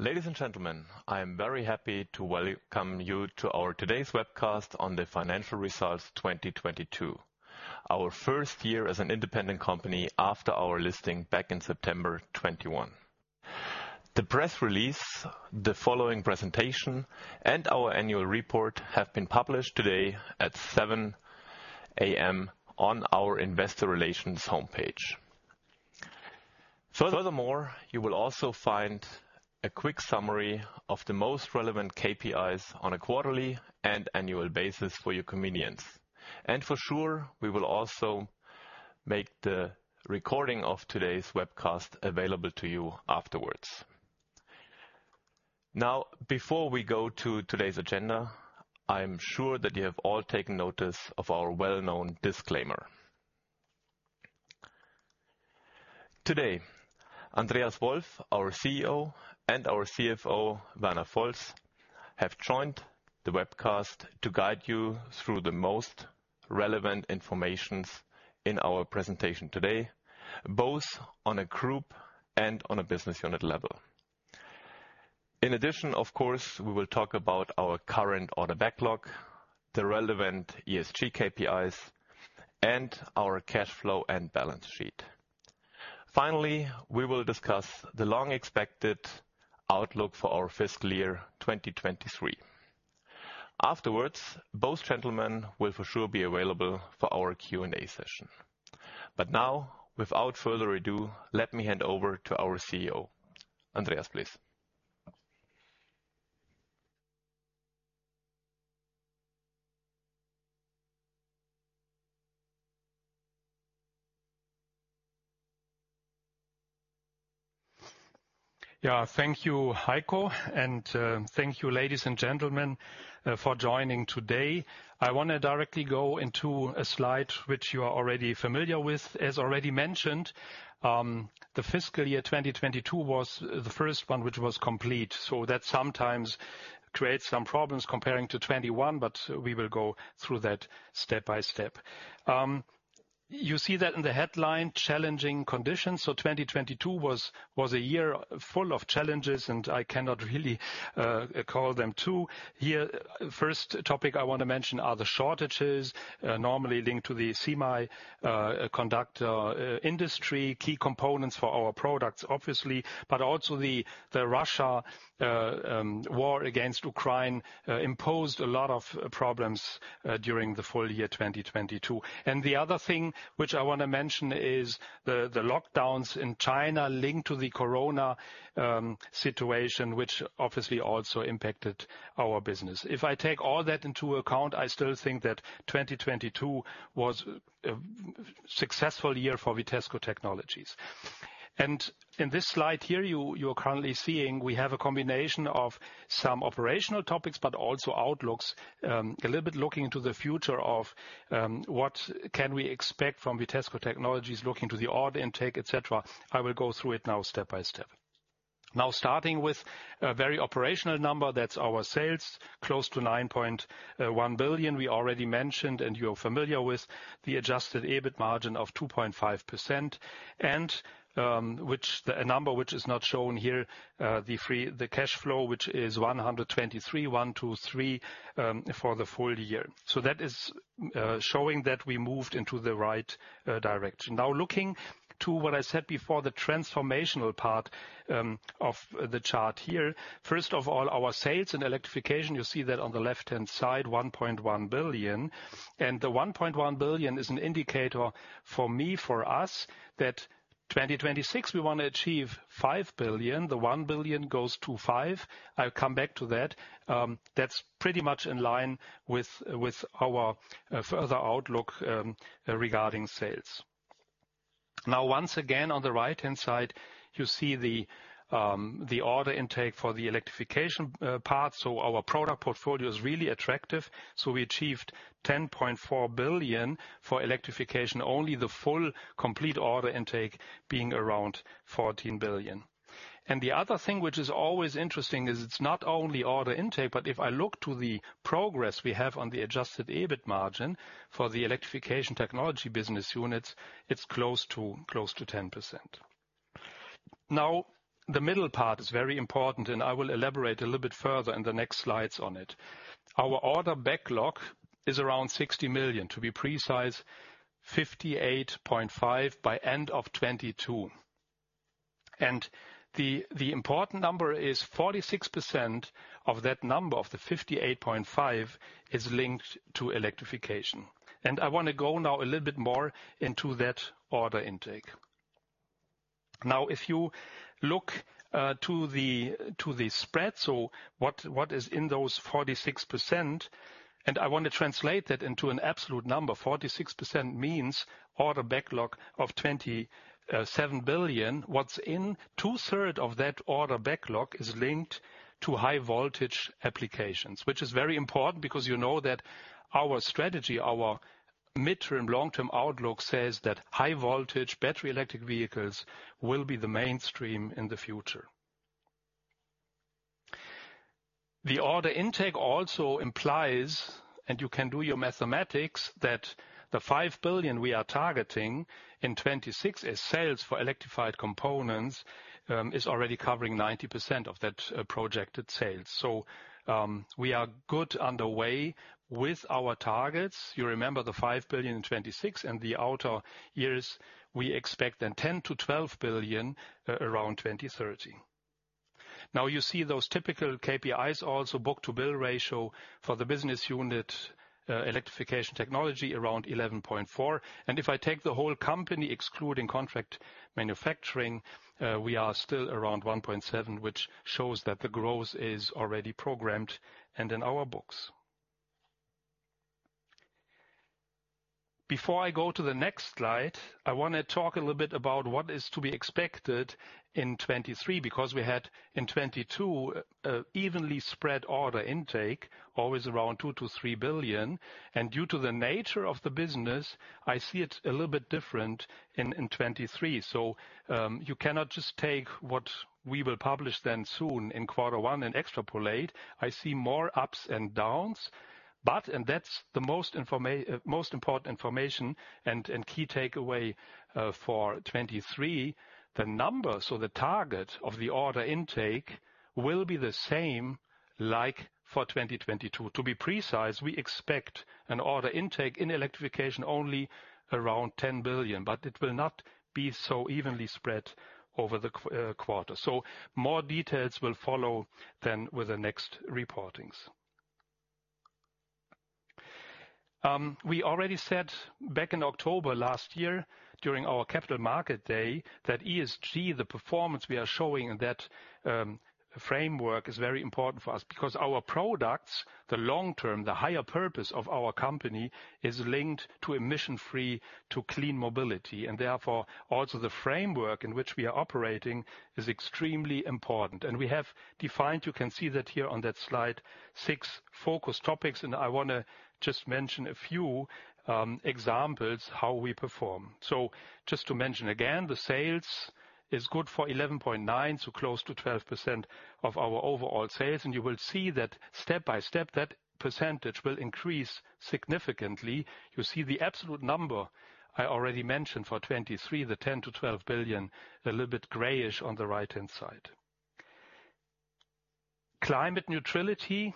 Ladies and gentlemen, I am very happy to welcome you to our today's webcast on the financial results 2022. Our first year as an independent company after our listing back in September 2021. The press release, the following presentation, and our annual report have been published today at 7:00 A.M. on our investor relations homepage. Furthermore, you will also find a quick summary of the most relevant KPIs on a quarterly and annual basis for your convenience. For sure, we will also make the recording of today's webcast available to you afterwards. Before we go to today's agenda, I'm sure that you have all taken notice of our well-known disclaimer. Today, Andreas Wolf, our CEO, and our CFO, Werner Volz, have joined the webcast to guide you through the most relevant informations in our presentation today, both on a group and on a business unit level. In addition, of course, we will talk about our current order backlog, the relevant ESG KPIs, and our cash flow and balance sheet. Finally, we will discuss the long-expected outlook for our fiscal year 2023. Afterwards, both gentlemen will for sure be available for our Q&A session. Now, without further ado, let me hand over to our CEO. Andreas, please. Thank you, Heiko, and thank you, ladies and gentlemen, for joining today. I wanna directly go into a slide which you are already familiar with. As already mentioned, the fiscal year 2022 was the first one which was complete, so that sometimes creates some problems comparing to 2021, but we will go through that step by step. You see that in the headline, challenging conditions. 2022 was a year full of challenges, and I cannot really call them two. Here, first topic I wanna mention are the shortages, normally linked to the semiconductor industry, key components for our products, obviously, but also the Russia war against Ukraine imposed a lot of problems during the full year 2022. The other thing which I wanna mention is the lockdowns in China linked to the corona situation, which obviously also impacted our business. If I take all that into account, I still think that 2022 was a successful year for Vitesco Technologies. In this slide here, you're currently seeing we have a combination of some operational topics, but also outlooks, a little bit looking into the future of what can we expect from Vitesco Technologies, looking to the order intake, et cetera. I will go through it now step by step. Starting with a very operational number, that's our sales, close to 9.1 billion. We already mentioned, and you're familiar with, the adjusted EBIT margin of 2.5%, which the, a number which is not shown here, the free cash flow, which is 123, for the full year. That is showing that we moved into the right direction. Now, looking to what I said before, the transformational part of the chart here. First of all, our sales and Electrification, you see that on the left-hand side, 1.1 billion. The 1.1 billion is an indicator for me, for us, that 2026, we wanna achieve 5 billion. The 1 billion goes to 5 billion. I'll come back to that. That's pretty much in line with our further outlook regarding sales. Once again, on the right-hand side, you see the order intake for the electrification part. Our product portfolio is really attractive. We achieved 10.4 billion for electrification, only the full complete order intake being around 14 billion. The other thing which is always interesting is it's not only order intake, but if I look to the progress we have on the adjusted EBIT margin for the Electrification Technology business units, it's close to 10%. The middle part is very important, and I will elaborate a little bit further in the next slides on it. Our order backlog is around 60 million, to be precise, 58.5 million by end of 2022. The important number is 46% of that number, of the 58.5 million, is linked to electrification. I wanna go now a little bit more into that order intake. Now, if you look to the spread, so what is in those 46%, and I wanna translate that into an absolute number. 46% means order backlog of 27 billion. What's in two-thirds of that order backlog is linked to high voltage applications, which is very important because you know that our strategy, our midterm, long-term outlook says that high voltage battery electric vehicles will be the mainstream in the future. The order intake also implies, and you can do your mathematics, that the 5 billion we are targeting in 2026 as sales for electrified components is already covering 90% of that projected sales. We are good underway with our targets. You remember the 5 billion in 2026 and the outer years, we expect 10 billion-12 billion around 2030. You see those typical KPIs also, book-to-bill ratio for the business unit Electrification Technology around 11.4. If I take the whole company excluding Contract Manufacturing, we are still around 1.7, which shows that the growth is already programmed and in our books. Before I go to the next slide, I wanna talk a little bit about what is to be expected in 2023, because we had in 2022, evenly spread order intake, always around 2 billion-3 billion. Due to the nature of the business, I see it a little bit different in 2023. You cannot just take what we will publish then soon in Q1 and extrapolate. I see more ups and downs, that's the most important information and key takeaway for 2023. The numbers or the target of the order intake will be the same like for 2022. To be precise, we expect an order intake in Electrification only around 10 billion, it will not be so evenly spread over the quarter. More details will follow with the next reportings. We already said back in October last year during our Capital Market Day that ESG, the performance we are showing in that framework, is very important for us because our products, the long term, the higher purpose of our company is linked to emission-free, to clean mobility. Therefore, also the framework in which we are operating is extremely important. We have defined, you can see that here on that slide, six focus topics, and I wanna just mention a few examples how we perform. Just to mention again, the sales is good for 11.9 billion, so close to 12% of our overall sales. You will see that step by step, that percentage will increase significantly. You see the absolute number I already mentioned for 2023, the 10 billion-12 billion, a little bit grayish on the right-hand side. Climate neutrality,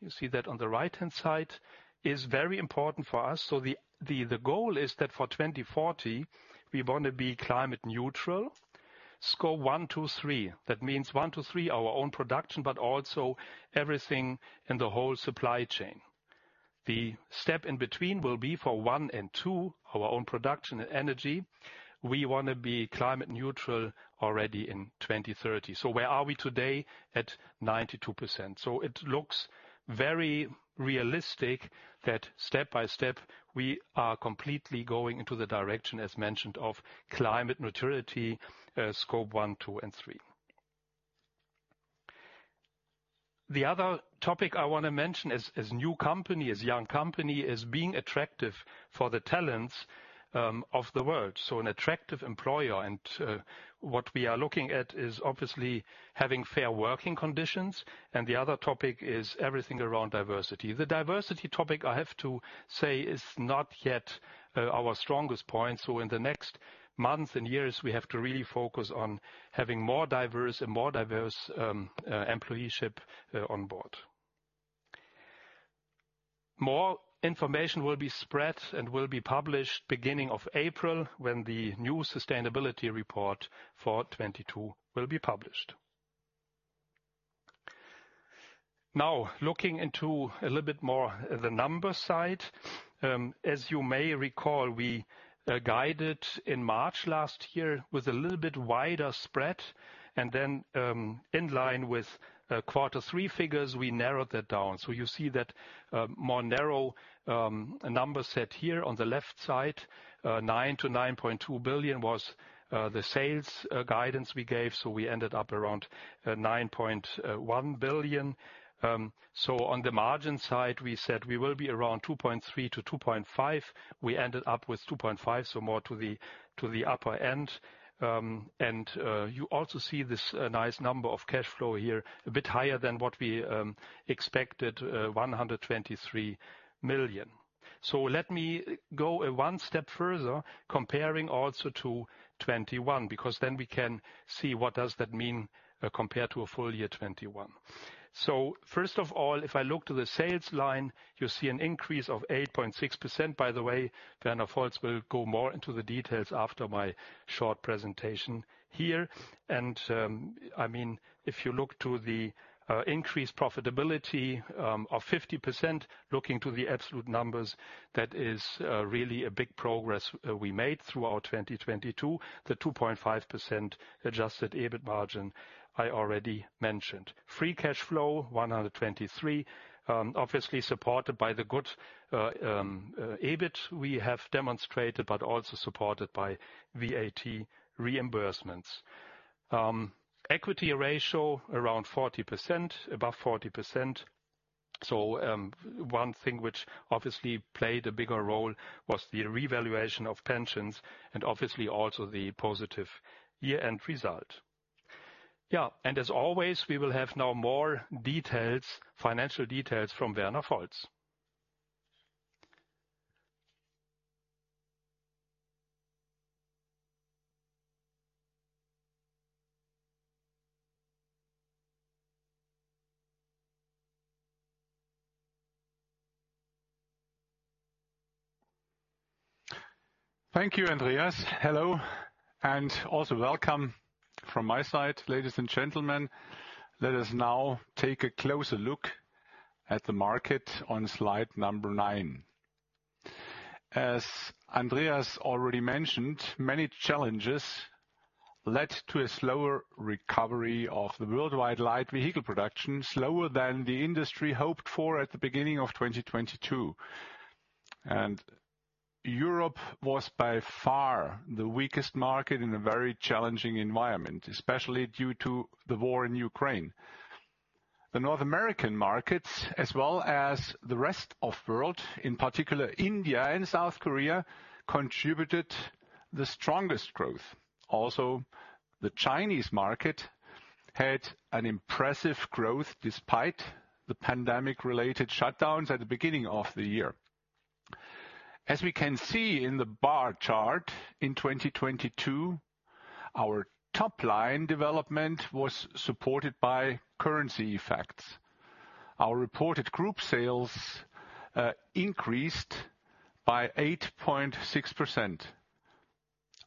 you see that on the right-hand side, is very important for us. The goal is that for 2040 we wanna be climate neutral, Scope 1, 2, 3. That means one to three our own production, but also everything in the whole supply chain. The step in between will be for one and two, our own production energy. We wanna be climate neutral already in 2030. Where are we today? At 92%. It looks very realistic that step by step we are completely going into the direction, as mentioned, of climate neutrality, Scope 1, 2 and 3. The other topic I wanna mention as new company, as young company, is being attractive for the talents of the world. An attractive employer. What we are looking at is obviously having fair working conditions. The other topic is everything around diversity. The diversity topic, I have to say, is not yet our strongest point. In the next months and years, we have to really focus on having more diverse and more diverse employeeship on board. More information will be spread and will be published beginning of April when the new sustainability report for 2022 will be published. Looking into a little bit more the numbers side. As you may recall, we guided in March last year with a little bit wider spread, in line with quarter three figures, we narrowed that down. You see that more narrow number set here on the left side. 9 billion-9.2 billion was the sales guidance we gave, we ended up around 9.1 billion. On the margin side, we said we will be around 2.3%-2.5%. We ended up with 2.5%, more to the upper end. You also see this nice number of cash flow here, a bit higher than what we expected, 123 million. Let me go one step further comparing also to 2021, because then we can see what does that mean compared to a full year 2021. First of all, if I look to the sales line, you see an increase of 8.6%. By the way, Werner Volz will go more into the details after my short presentation here. I mean, if you look to the increased profitability of 50%, looking to the absolute numbers, that is really a big progress we made throughout 2022. The 2.5% adjusted EBIT margin I already mentioned. Free cash flow 123, obviously supported by the good EBIT we have demonstrated, but also supported by VAT reimbursements. Equity ratio around 40%, above 40%. One thing which obviously played a bigger role was the revaluation of pensions and obviously also the positive year-end result. As always, we will have now more details, financial details from Werner Volz. Thank you, Andreas. Hello, and also welcome from my side, ladies and gentlemen. Let us now take a closer look at the market on Slide number nine. As Andreas already mentioned, many challenges led to a slower recovery of the worldwide light vehicle production, slower than the industry hoped for at the beginning of 2022. Europe was by far the weakest market in a very challenging environment, especially due to the war in Ukraine. The North American markets, as well as the rest of world, in particular India and South Korea, contributed the strongest growth. Also, the Chinese market had an impressive growth despite the pandemic-related shutdowns at the beginning of the year. As we can see in the bar chart, in 2022, our top-line development was supported by currency effects. Our reported group sales increased by 8.6%,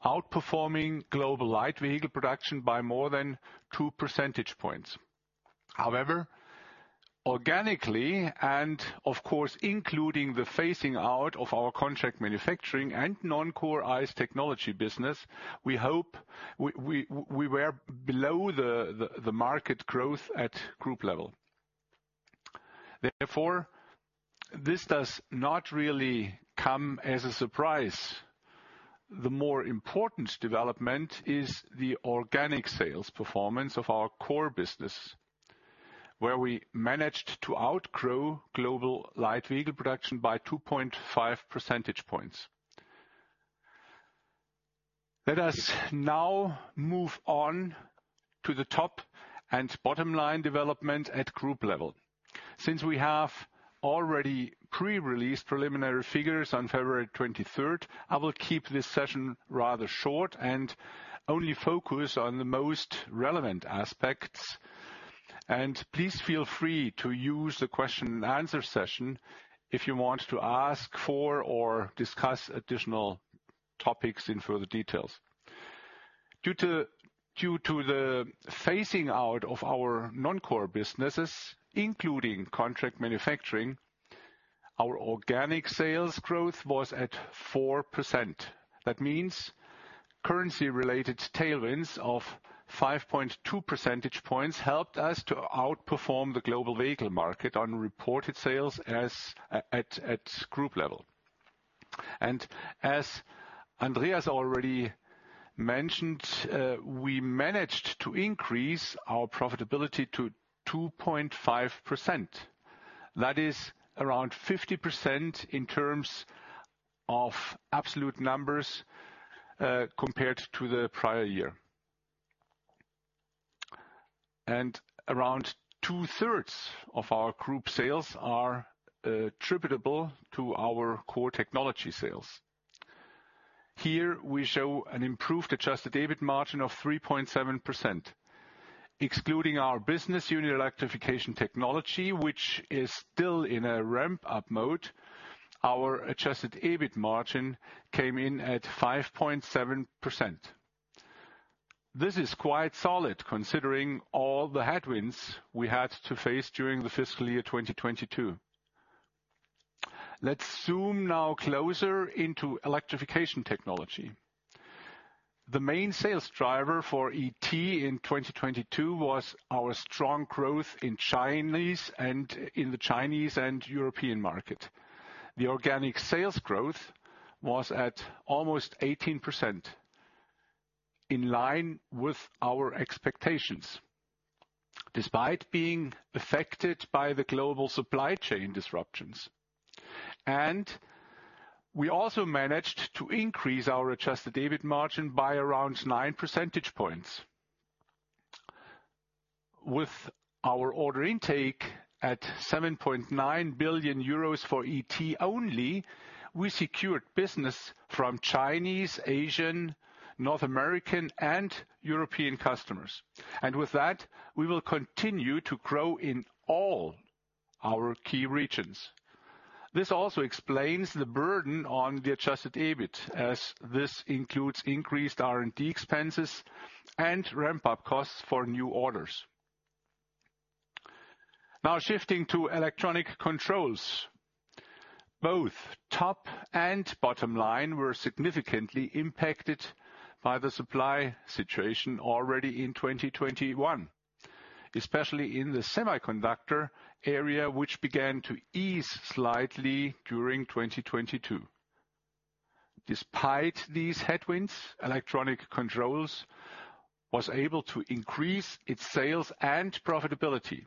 outperforming global light vehicle production by more than 2 percentage points. Organically and of course, including the phasing out of our Contract Manufacturing and non-core ICE technology business, we hope we were below the market growth at group level. This does not really come as a surprise. The more important development is the organic sales performance of our core business, where we managed to outgrow global light vehicle production by 2.5 percentage points. Let us now move on to the top and bottom line development at group level. Since we have already pre-released preliminary figures on February 23rd, I will keep this session rather short and only focus on the most relevant aspects. Please feel free to use the question and answer session if you want to ask for or discuss additional topics in further details. Due to the phasing out of our non-core businesses, including Contract Manufacturing, our organic sales growth was at 4%. Currency-related tailwinds of 5.2 percentage points helped us to outperform the global vehicle market on reported sales as at group level. As Andreas already mentioned, we managed to increase our profitability to 2.5%. That is around 50% in terms of absolute numbers compared to the prior year. Around two-thirds of our group sales are attributable to our core technology sales. Here we show an improved adjusted EBIT margin of 3.7%. Excluding our business unit Electrification Technology, which is still in a ramp-up mode, our adjusted EBIT margin came in at 5.7%. This is quite solid considering all the headwinds we had to face during the fiscal year 2022. Let's zoom now closer into Electrification Technology. The main sales driver for ET in 2022 was our strong growth in the Chinese and European market. The organic sales growth was at almost 18%, in line with our expectations, despite being affected by the global supply chain disruptions. We also managed to increase our adjusted EBIT margin by around 9 percentage points. With our order intake at 7.9 billion euros for ET only, we secured business from Chinese, Asian, North American and European customers. With that, we will continue to grow in all our key regions. This also explains the burden on the adjusted EBIT, as this includes increased R&D expenses and ramp-up costs for new orders. Shifting to Electronic Controls. Both top and bottom line were significantly impacted by the supply situation already in 2021, especially in the semiconductor area, which began to ease slightly during 2022. Despite these headwinds, Electronic Controls was able to increase its sales and profitability.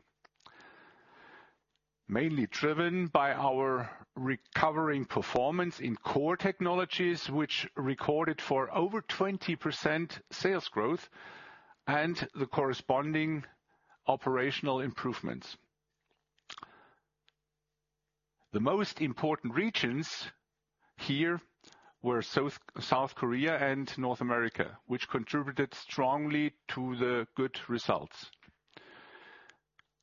Mainly driven by our recovering performance in core technologies, which recorded for over 20% sales growth and the corresponding operational improvements. The most important regions here were South Korea and North America, which contributed strongly to the good results.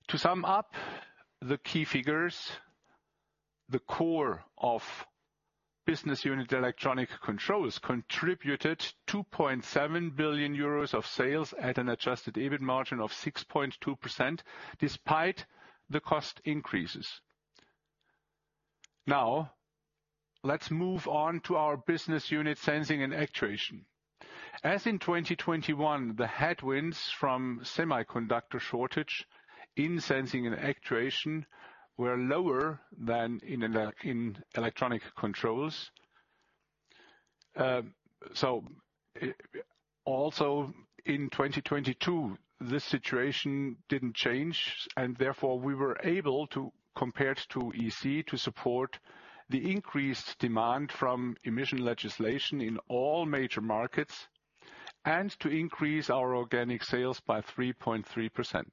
To sum up the key figures, the core of business unit Electronic Controls contributed 2.7 billion euros of sales at an adjusted EBIT margin of 6.2%, despite the cost increases. Let's move on to our business unit, Sensing and Actuation. As in 2021, the headwinds from semiconductor shortage in Sensing and Actuation were lower than in Electronic Controls. Also in 2022, this situation didn't change, and therefore, we were able to, compared to EC, to support the increased demand from emission legislation in all major markets and to increase our organic sales by 3.3%.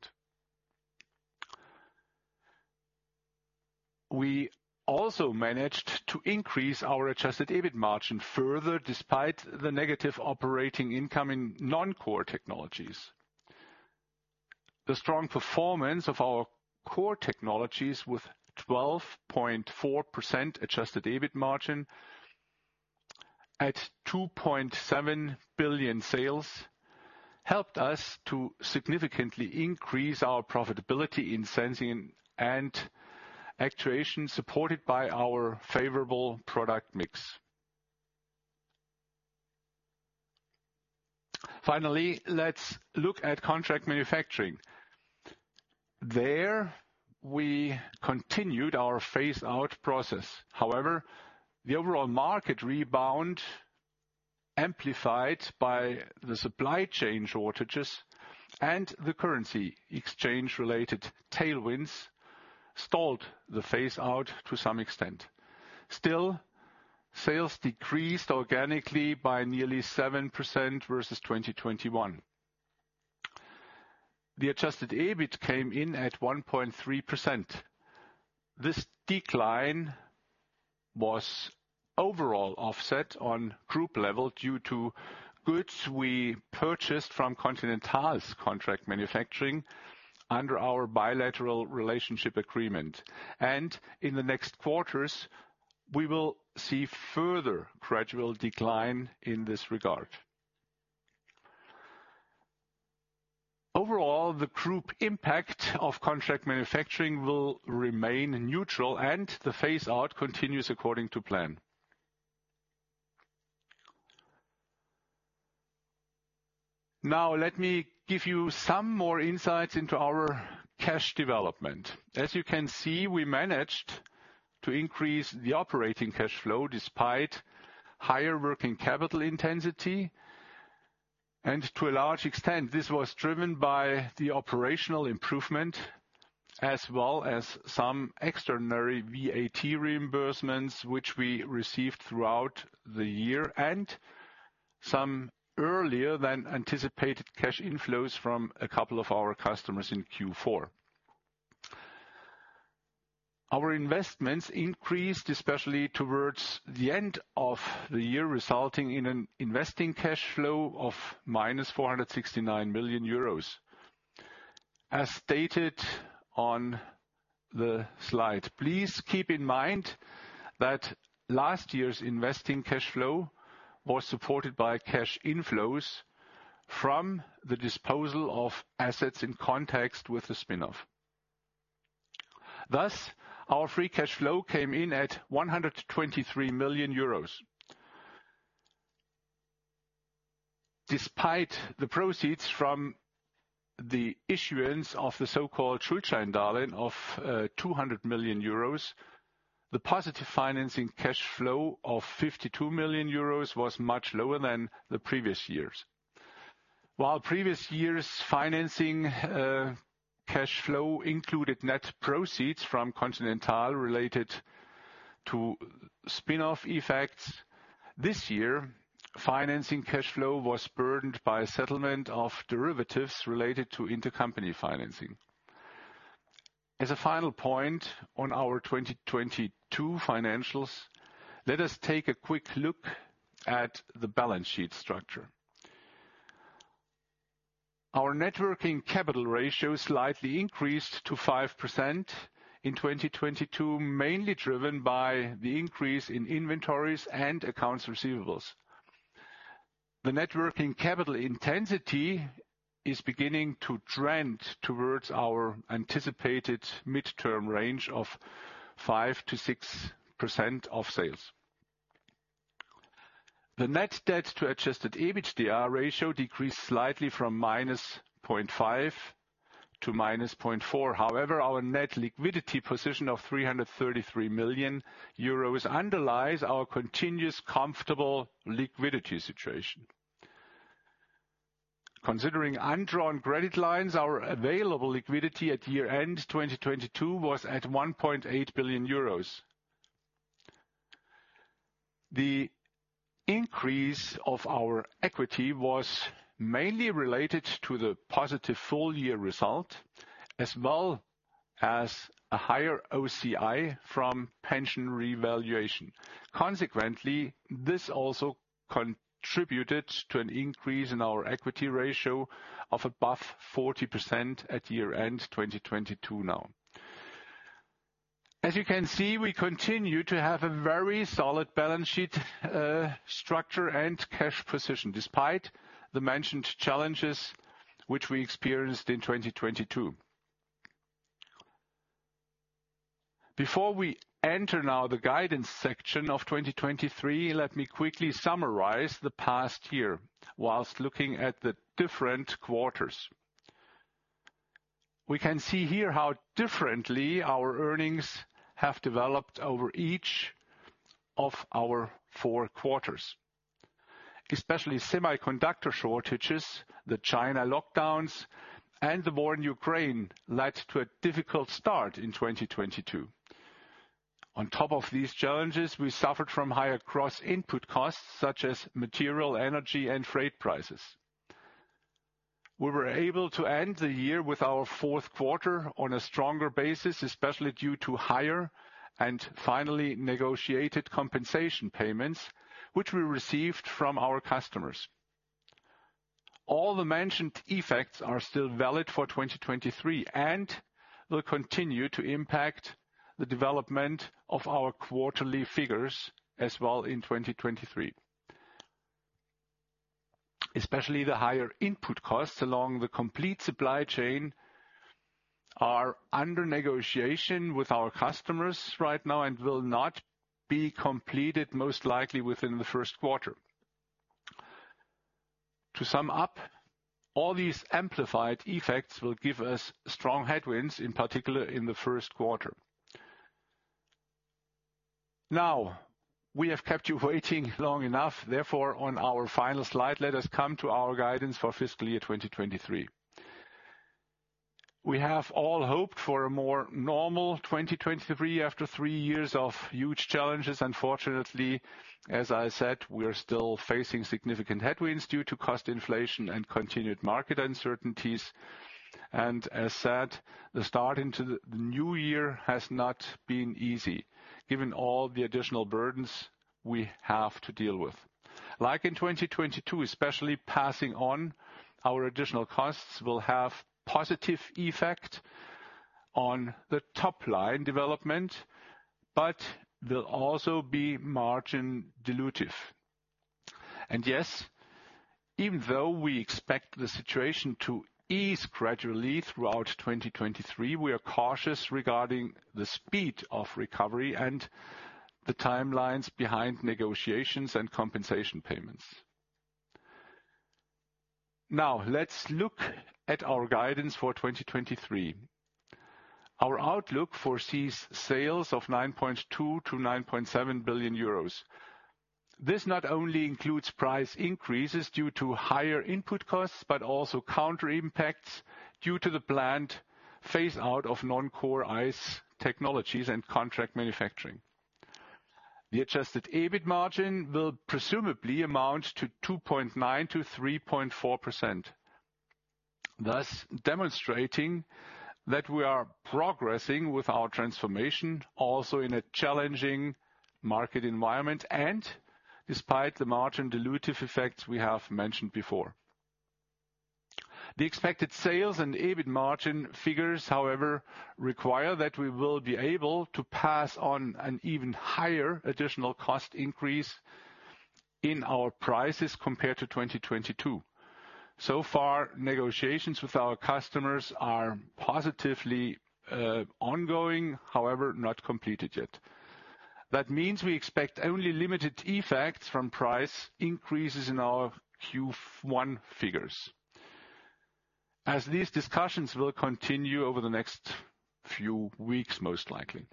We also managed to increase our adjusted EBIT margin further, despite the negative operating income in non-core technologies. The strong performance of our core technologies with 12.4% adjusted EBIT margin at 2.7 billion sales, helped us to significantly increase our profitability in Sensing & Actuation, supported by our favorable product mix. Let's look at Contract Manufacturing. We continued our phase out process. However, the overall market rebound amplified by the supply chain shortages and the currency exchange-related tailwinds stalled the phase out to some extent. Still, sales decreased organically by nearly 7% versus 2021. The adjusted EBIT came in at 1.3%. This decline was overall offset on group level due to goods we purchased from Continental's Contract Manufacturing under our bilateral relationship agreement. In the next quarters, we will see further gradual decline in this regard. Overall, the group impact of Contract Manufacturing will remain neutral and the phase out continues according to plan. Let me give you some more insights into our cash development. As you can see, we managed to increase the operating cash flow despite higher working capital intensity. To a large extent, this was driven by the operational improvement as well as some extraordinary VAT reimbursements, which we received throughout the year, and some earlier than anticipated cash inflows from a couple of our customers in Q4. Our investments increased, especially towards the end of the year, resulting in an investing cash flow of minus 469 million euros. As stated on the slide, please keep in mind that last year's investing cash flow was supported by cash inflows from the disposal of assets in context with the spin-off. Thus, our free cash flow came in at 123 million euros. Despite the proceeds from the issuance of the so-called Schuldscheindarlehen of 200 million euros, the positive financing cash flow of 52 million euros was much lower than the previous years. While previous years' financing cash flow included net proceeds from Continental related to spin-off effects, this year, financing cash flow was burdened by a settlement of derivatives related to intercompany financing. As a final point on our 2022 financials, let us take a quick look at the balance sheet structure. Our net working capital ratio slightly increased to 5% in 2022, mainly driven by the increase in inventories and accounts receivable. The net working capital intensity is beginning to trend towards our anticipated midterm range of 5%-6% of sales. The net debt to adjusted EBITDA ratio decreased slightly from -0.5 to-0.4. Our net liquidity position of 333 million euros underlies our continuous comfortable liquidity situation. Considering undrawn credit lines, our available liquidity at year-end 2022 was at 1.8 billion euros. The increase of our equity was mainly related to the positive full year result, as well as a higher OCI from pension revaluation. Consequently, this also contributed to an increase in our equity ratio of above 40% at year-end 2022 now. As you can see, we continue to have a very solid balance sheet structure and cash position, despite the mentioned challenges which we experienced in 2022. Before we enter now the guidance section of 2023, let me quickly summarize the past year whilst looking at the different quarters. We can see here how differently our earnings have developed over each of our four quarters. Especially semiconductor shortages, the China lockdowns, and the war in Ukraine led to a difficult start in 2022. On top of these challenges, we suffered from higher cross input costs such as material, energy and freight prices. We were able to end the year with our fourth quarter on a stronger basis, especially due to higher and finally negotiated compensation payments which we received from our customers. will continue to impact the development of our quarterly figures as well in 2023. Especially the higher input costs along the complete supply chain are under negotiation with our customers right now and will not be completed most likely within the first quarter. To sum up, all these amplified effects will give us strong headwinds, in particular in the first quarter. We have kept you waiting long enough. on our final slide, let us come to our guidance for fiscal year 2023. We have all hoped for a more normal 2023 after three years of huge challenges. Unfortunately, as I said, we are still facing significant headwinds due to cost inflation and continued market uncertainties. As said, the start into the new year has not been easy given all the additional burdens we have to deal with. Like in 2022, especially passing on our additional costs will have positive effect on the top line development, but will also be margin dilutive. Yes, even though we expect the situation to ease gradually throughout 2023, we are cautious regarding the speed of recovery and the timelines behind negotiations and compensation payments. Let's look at our guidance for 2023. Our outlook foresees sales of 9.2 billion-9.7 billion euros. This not only includes price increases due to higher input costs, but also counter impacts due to the planned phase out of non-core ICE technologies and contract manufacturing. The adjusted EBIT margin will presumably amount to 2.9%-3.4%, thus demonstrating that we are progressing with our transformation also in a challenging market environment and despite the margin dilutive effects we have mentioned before. The expected sales and EBIT margin figures, however, require that we will be able to pass on an even higher additional cost increase in our prices compared to 2022. Negotiations with our customers are positively ongoing, however, not completed yet. We expect only limited effects from price increases in our Q1 figures. These discussions will continue over the next few weeks, most likely.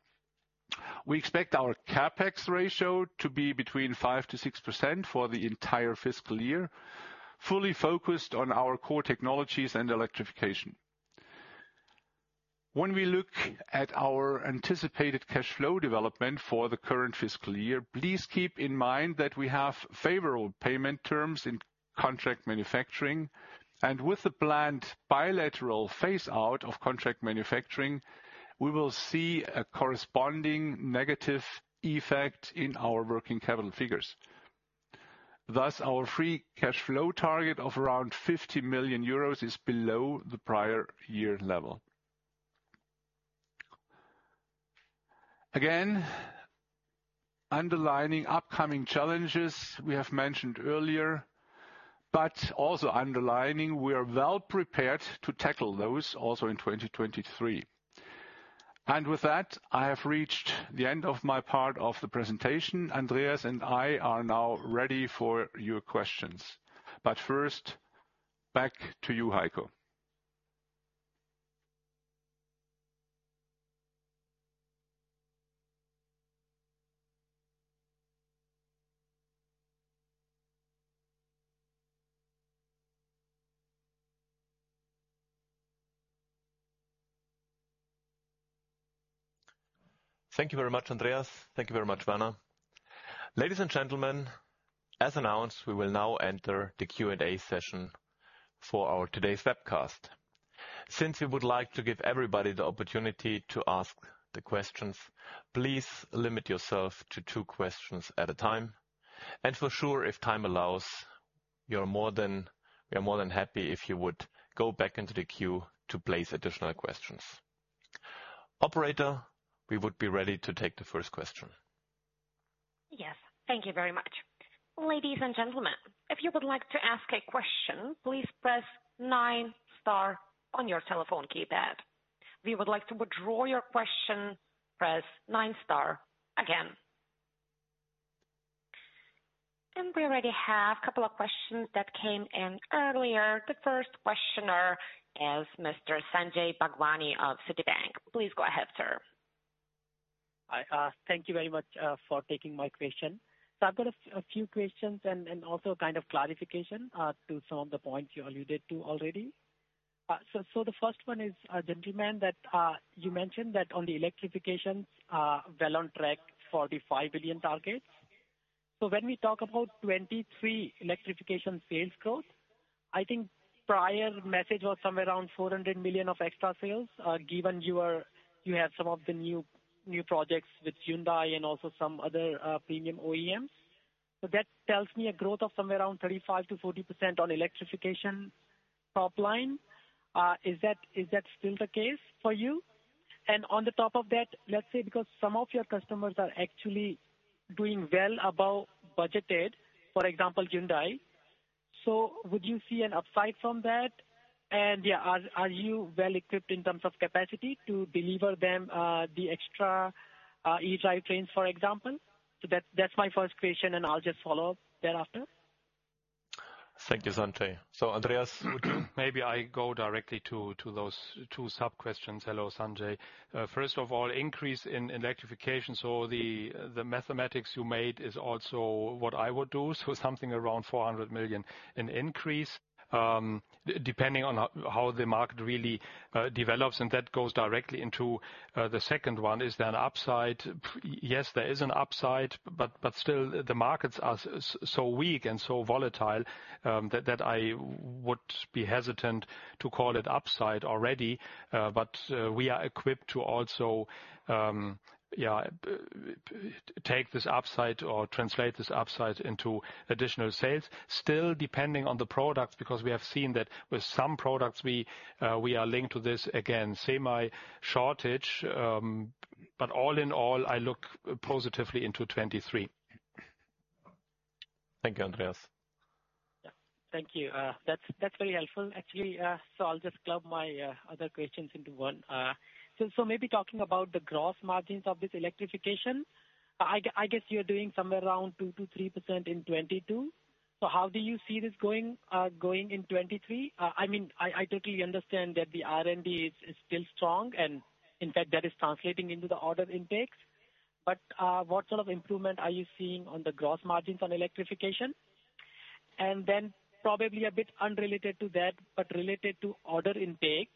We expect our CapEx ratio to be between 5%-6% for the entire fiscal year, fully focused on our core technologies and electrification. When we look at our anticipated cash flow development for the current fiscal year, please keep in mind that we have favorable payment terms in Contract Manufacturing, and with the planned bilateral phase out of Contract Manufacturing, we will see a corresponding negative effect in our working capital figures. Thus, our free cash flow target of around 50 million euros is below the prior year level. Again, underlining upcoming challenges we have mentioned earlier, but also underlining we are well prepared to tackle those also in 2023. With that, I have reached the end of my part of the presentation. Andreas and I are now ready for your questions, but first, back to you, Heiko. Thank you very much, Andreas. Thank you very much, Werner. Ladies and gentlemen, as announced, we will now enter the Q&A session for our today's webcast. Since we would like to give everybody the opportunity to ask the questions, please limit yourself to two questions at a time. For sure, if time allows, we are more than happy if you would go back into the queue to place additional questions. Operator, we would be ready to take the first question. Yes. Thank you very much. Ladies and gentlemen, if you would like to ask a question, please press 9 star on your telephone keypad. We would like to withdraw your question, press nine star again. We already have two questions that came in earlier. The first questioner is Mr. Sanjay Bhagwani of Citi. Please go ahead, sir. Hi. Thank you very much for taking my question. I've got a few questions and also kind of clarification to some of the points you alluded to already. The first one is the demand that you mentioned that on the Electrification Technology, well on track 45 billion targets. When we talk about 2023 Electrification Technology sales growth, I think prior message was somewhere around 400 million of extra sales, given you have some of the new projects with Hyundai and also some other premium OEMs. That tells me a growth of somewhere around 35%-40% on Electrification Technology top line. Is that still the case for you? On the top of that, let's say because some of your customers are actually doing well above budgeted, for example, Hyundai. Would you see an upside from that? Yeah, are you well equipped in terms of capacity to deliver them, the extra E-drivetrains, for example? That's my first question. I'll just follow up thereafter. Thank you, Sanjay. Andreas? Maybe I go directly to those two sub-questions. Hello, Sanjay. First of all, increase in electrification. The mathematics you made is also what I would do. Something around 400 million in increase, depending on how the market really develops, and that goes directly into the second one. Is there an upside? Yes, there is an upside, but still the markets are so weak and so volatile that I would be hesitant to call it upside already. We are equipped to also, yeah, take this upside or translate this upside into additional sales. Still depending on the products, because we have seen that with some products we are linked to this again, semi shortage, all in all, I look positively into 2023. Thank you, Andreas. Yeah. Thank you. That's, that's very helpful. Actually, I'll just club my other questions into one. Maybe talking about the gross margins of this electrification, I guess you're doing somewhere around 2%-3% in 2022. How do you see this going in 2023? I mean, I totally understand that the R&D is still strong, and in fact, that is translating into the order intakes. What sort of improvement are you seeing on the gross margins on electrification? Then probably a bit unrelated to that, but related to order intake,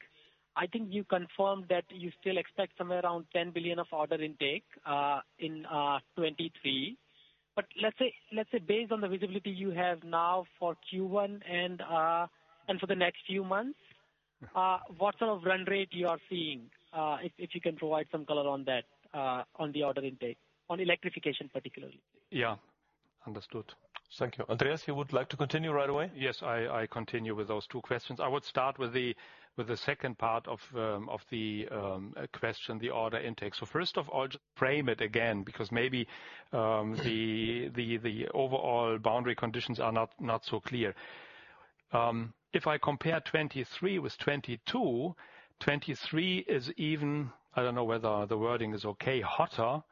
I think you confirmed that you still expect somewhere around 10 billion of order intake in 2023. Let's say based on the visibility you have now for Q1 and for the next few months, what sort of run rate you are seeing, if you can provide some color on that, on the order intake, on electrification particularly? Yeah. Understood. Thank you. Andreas, you would like to continue right away? Yes, I continue with those two questions. I would start with the second part of the question, the order intake. First of all, just frame it again, because maybe the overall boundary conditions are not so clear. If I compare 2023 with 2022, 2023 is even, I don't know whether the wording is okay, hotter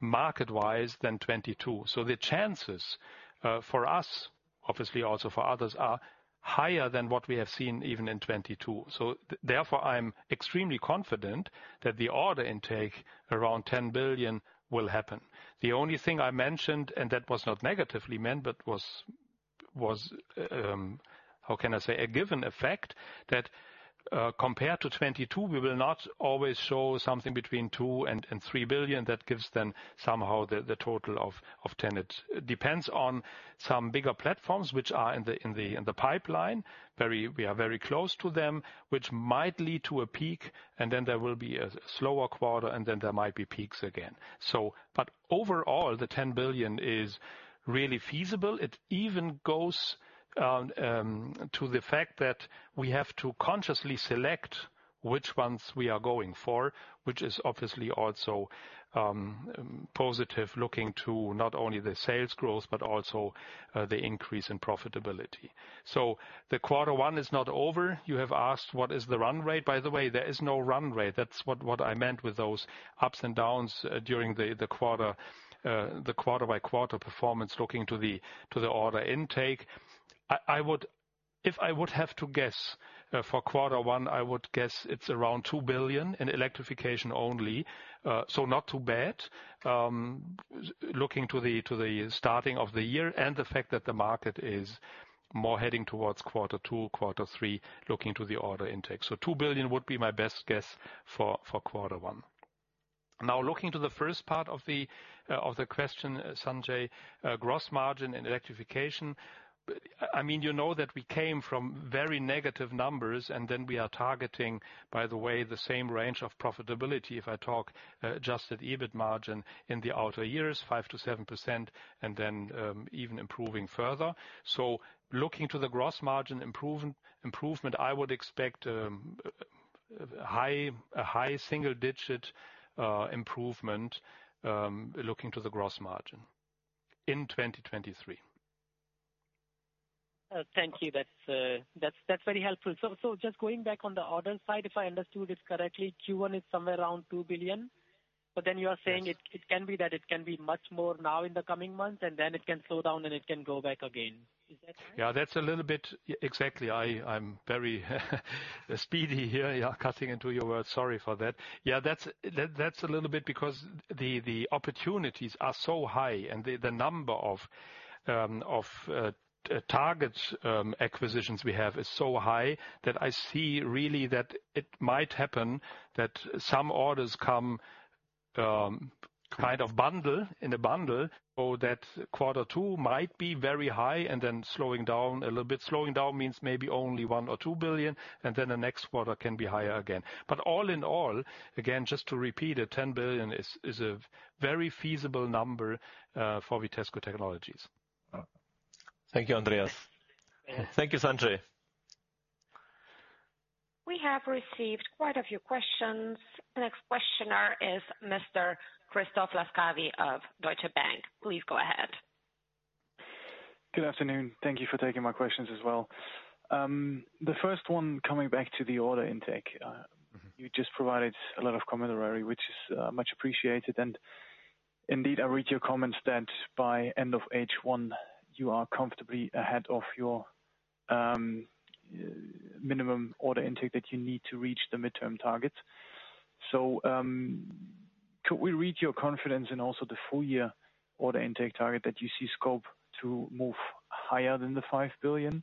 market-wise than 2022. The chances for us, obviously also for others, are higher than what we have seen even in 2022. Therefore, I'm extremely confident that the order intake around 10 billion will happen. The only thing I mentioned, and that was not negatively meant, but was, how can I say, a given effect, that compared to 2022, we will not always show something between 2 billion and 3 billion. That gives somehow the total of 10. It depends on some bigger platforms which are in the pipeline. We are very close to them, which might lead to a peak, and then there will be a slower quarter, and then there might be peaks again, so. Overall, the 10 billion is really feasible. It even goes to the fact that we have to consciously select which ones we are going for, which is obviously also positive looking to not only the sales growth but also the increase in profitability. The quarter one is not over. You have asked what is the run rate. By the way, there is no run rate. That's what I meant with those ups and downs during the quarter, the quarter-by-quarter performance looking to the order intake. If I would have to guess, for quarter one, I would guess it's around 2 billion in electrification only, so not too bad. Looking to the starting of the year and the fact that the market is more heading towards quarter two, quarter three, looking to the order intake. 2 billion would be my best guess for quarter one. Looking to the first part of the question, Sanjay, gross margin and electrification. I mean, you know that we came from very negative numbers, and then we are targeting, by the way, the same range of profitability, if I talk adjusted EBIT margin in the outer years, 5%-7% and then even improving further. Looking to the gross margin improvement, I would expect a high single-digit improvement looking to the gross margin in 2023. Thank you. That's very helpful. Just going back on the order side, if I understood this correctly, Q1 is somewhere around 2 billion. You are saying Yes. It can be that it can be much more now in the coming months, and then it can slow down, and it can go back again. Is that right? That's a little bit. Exactly. I'm very speedy here, cutting into your words. Sorry for that. That's a little bit because the opportunities are so high and the number of targets, acquisitions we have is so high that I see really that it might happen that some orders come kind of bundle, in a bundle or that quarter two might be very high and then slowing down a little bit. Slowing down means maybe only 1 billion or 2 billion, and then the next quarter can be higher again. All in all, again, just to repeat it, 10 billion is a very feasible number for Vitesco Technologies. Thank you, Andreas. Thank you. Thank you, Sanjay. We have received quite a few questions. The next questioner is Mr. Christoph Laskawi of Deutsche Bank. Please go ahead. Good afternoon. Thank you for taking my questions as well. The first one, coming back to the order intake. Mm-hmm. You just provided a lot of commentary, which is much appreciated. Indeed, I read your comments that by end of H1 you are comfortably ahead of your minimum order intake that you need to reach the midterm targets. Could we read your confidence in also the full year order intake target that you see scope to move higher than the 5 billion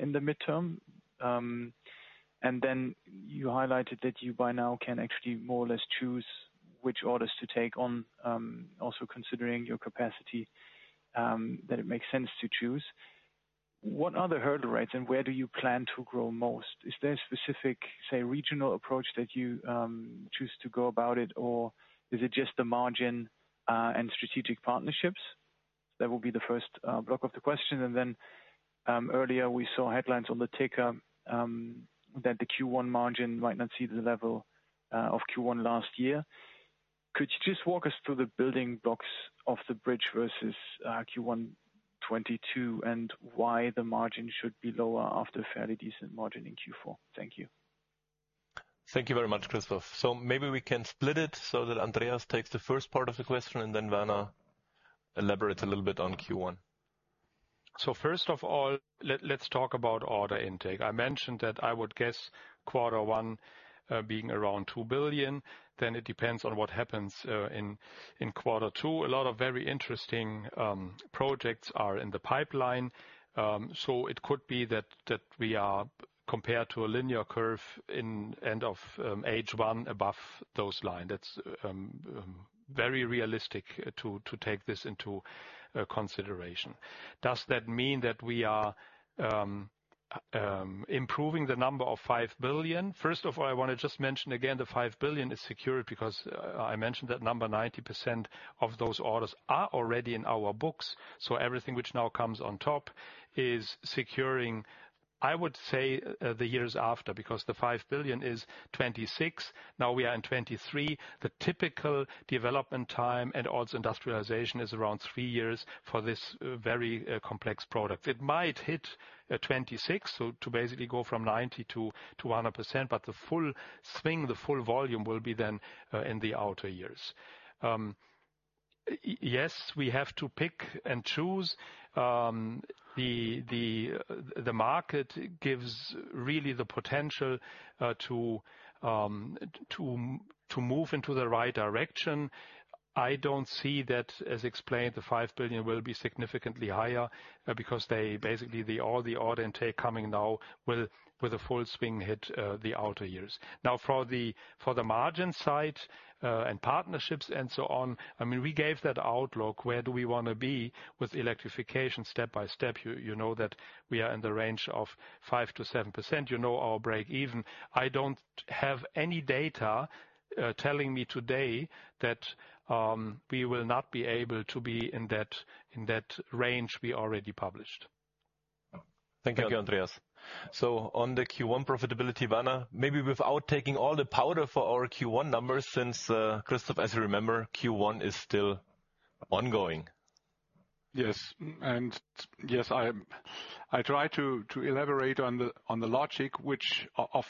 in the midterm? You highlighted that you by now can actually more or less choose which orders to take on, also considering your capacity that it makes sense to choose. What are the hurdle rates and where do you plan to grow most? Is there a specific, say, regional approach that you choose to go about it, or is it just the margin and strategic partnerships? That will be the first block of the question. Earlier we saw headlines on the ticker, that the Q1 margin might not see the level of Q1 last year. Could you just walk us through the building blocks of the bridge versus Q1 2022, and why the margin should be lower after a fairly decent margin in Q4? Thank you. Thank you very much, Christoph. Maybe we can split it so that Andreas takes the first part of the question and then Werner elaborates a little bit on Q1. First of all, let's talk about order intake. I mentioned that I would guess Q1 being around 2 billion. It depends on what happens in Q2. A lot of very interesting projects are in the pipeline. It could be that we are compared to a linear curve in end of H1 above those line. That's very realistic to take this into consideration. Does that mean that we are improving the number of 5 billion? First of all, I wanna just mention again, the 5 billion is secured because I mentioned that number, 90% of those orders are already in our books. Everything which now comes on top is securing, I would say, the years after. The 5 billion is 2026, now we are in 2023. The typical development time and odds industrialization is around three years for this very complex product. It might hit 2026, so to basically go from 90% to a 100%, but the full swing, the full volume will be then in the outer years. Yes, we have to pick and choose. The market gives really the potential to move into the right direction. I don't see that, as explained, the 5 billion will be significantly higher, because they basically the all the order intake coming now will with a full swing hit the outer years. For the, for the margin side, and partnerships and so on, I mean, we gave that outlook, where do we wanna be with electrification step by step. You know that we are in the range of 5%-7%. You know our break even. I don't have any data, telling me today that, we will not be able to be in that, in that range we already published. Thank you, Andreas. On the Q1 profitability, Werner, maybe without taking all the powder for our Q1 numbers since, Christoph, as you remember, Q1 is still ongoing. Yes. Yes, I try to elaborate on the logic of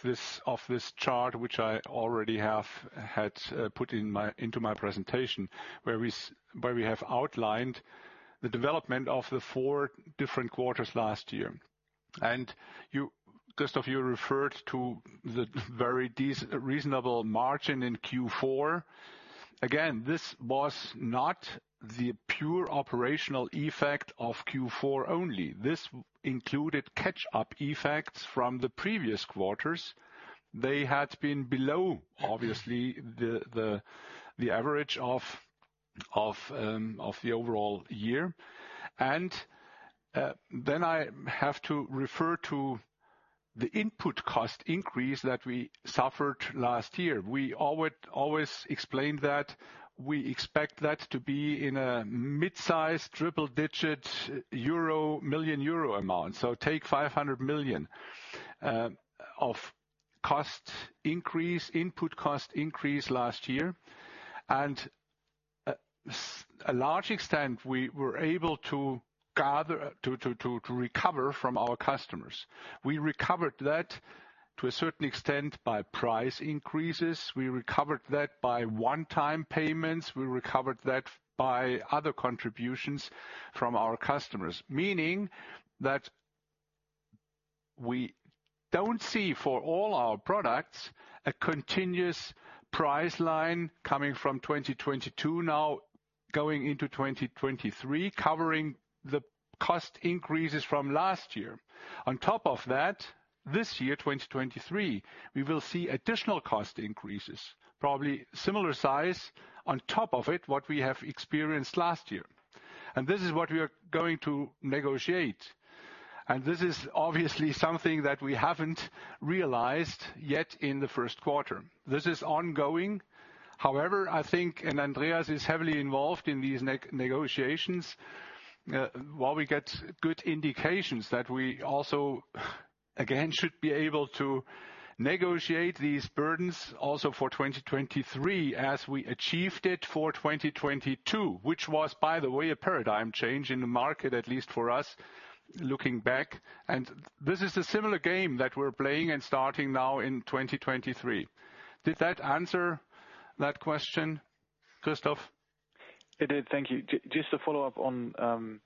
this chart which I already have put into my presentation. Where we have outlined the development of the four different quarters last year. Christoph Laskawi, you referred to the very reasonable margin in Q4. Again, this was not the pure operational effect of Q4 only. This included catch-up effects from the previous quarters. They had been below, obviously, the average of the overall year. I have to refer to the input cost increase that we suffered last year. We always explained that we expect that to be in a mid-size triple-digit million euro amount. Take 500 million of cost increase, input cost increase last year. A large extent, we were able to gather to recover from our customers. We recovered that to a certain extent by price increases. We recovered that by one-time payments. We recovered that by other contributions from our customers, meaning that we don't see for all our products a continuous price line coming from 2022 now going into 2023, covering the cost increases from last year. On top of that, this year, 2023, we will see additional cost increases, probably similar size on top of it, what we have experienced last year. This is what we are going to negotiate. This is obviously something that we haven't realized yet in the first quarter. This is ongoing. However, I think, Andreas is heavily involved in these negotiations, while we get good indications that we also, again, should be able to negotiate these burdens also for 2023 as we achieved it for 2022, which was by the way, a paradigm change in the market, at least for us, looking back. This is a similar game that we're playing and starting now in 2023. Did that answer that question, Christoph? It did. Thank you. Just to follow up on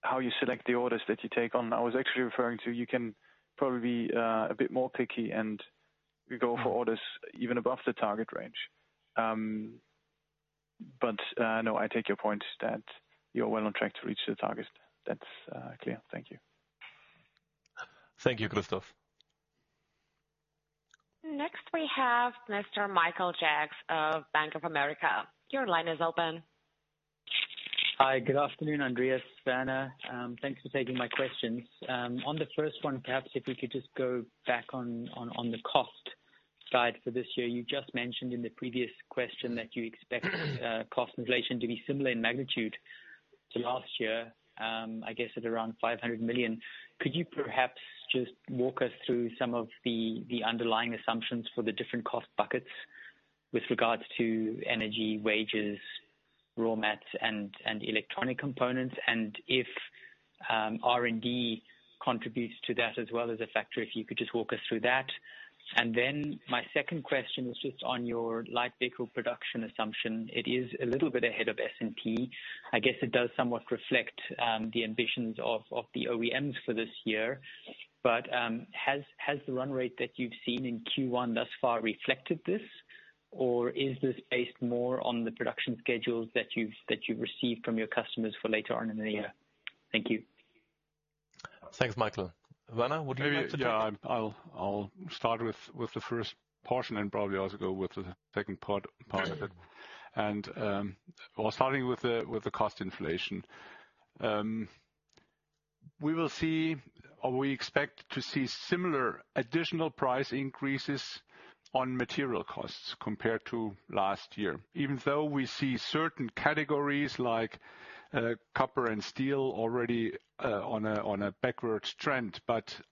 how you select the orders that you take on. I was actually referring to, you can probably a bit more picky, and you go for orders even above the target range. No, I take your point that you're well on track to reach the targets. That's clear. Thank you. Thank you, Christoph. We have Mr. Michael Jacks of Bank of America. Your line is open. Hi. Good afternoon, Andreas, Werner. Thanks for taking my questions. On the first one, perhaps if we could just go back on the cost side for this year. You just mentioned in the previous question that you expect cost inflation to be similar in magnitude to last year, I guess at around 500 million. Could you perhaps just walk us through some of the underlying assumptions for the different cost buckets with regards to energy, wages, raw mats, and electronic components? If R&D contributes to that as well as a factor, if you could just walk us through that. My second question was just on your light vehicle production assumption. It is a little bit ahead of S&P. I guess it does somewhat reflect the ambitions of the OEMs for this year. Has the run rate that you've seen in Q1 thus far reflected this? Or is this based more on the production schedules that you've received from your customers for later on in the year? Thank you. Thanks, Michael. Werner, would you like to take- Maybe, yeah, I'll start with the first portion and probably also go with the second part of it. Well, starting with the cost inflation, we will see or we expect to see similar additional price increases on material costs compared to last year, even though we see certain categories like copper and steel already on a backwards trend.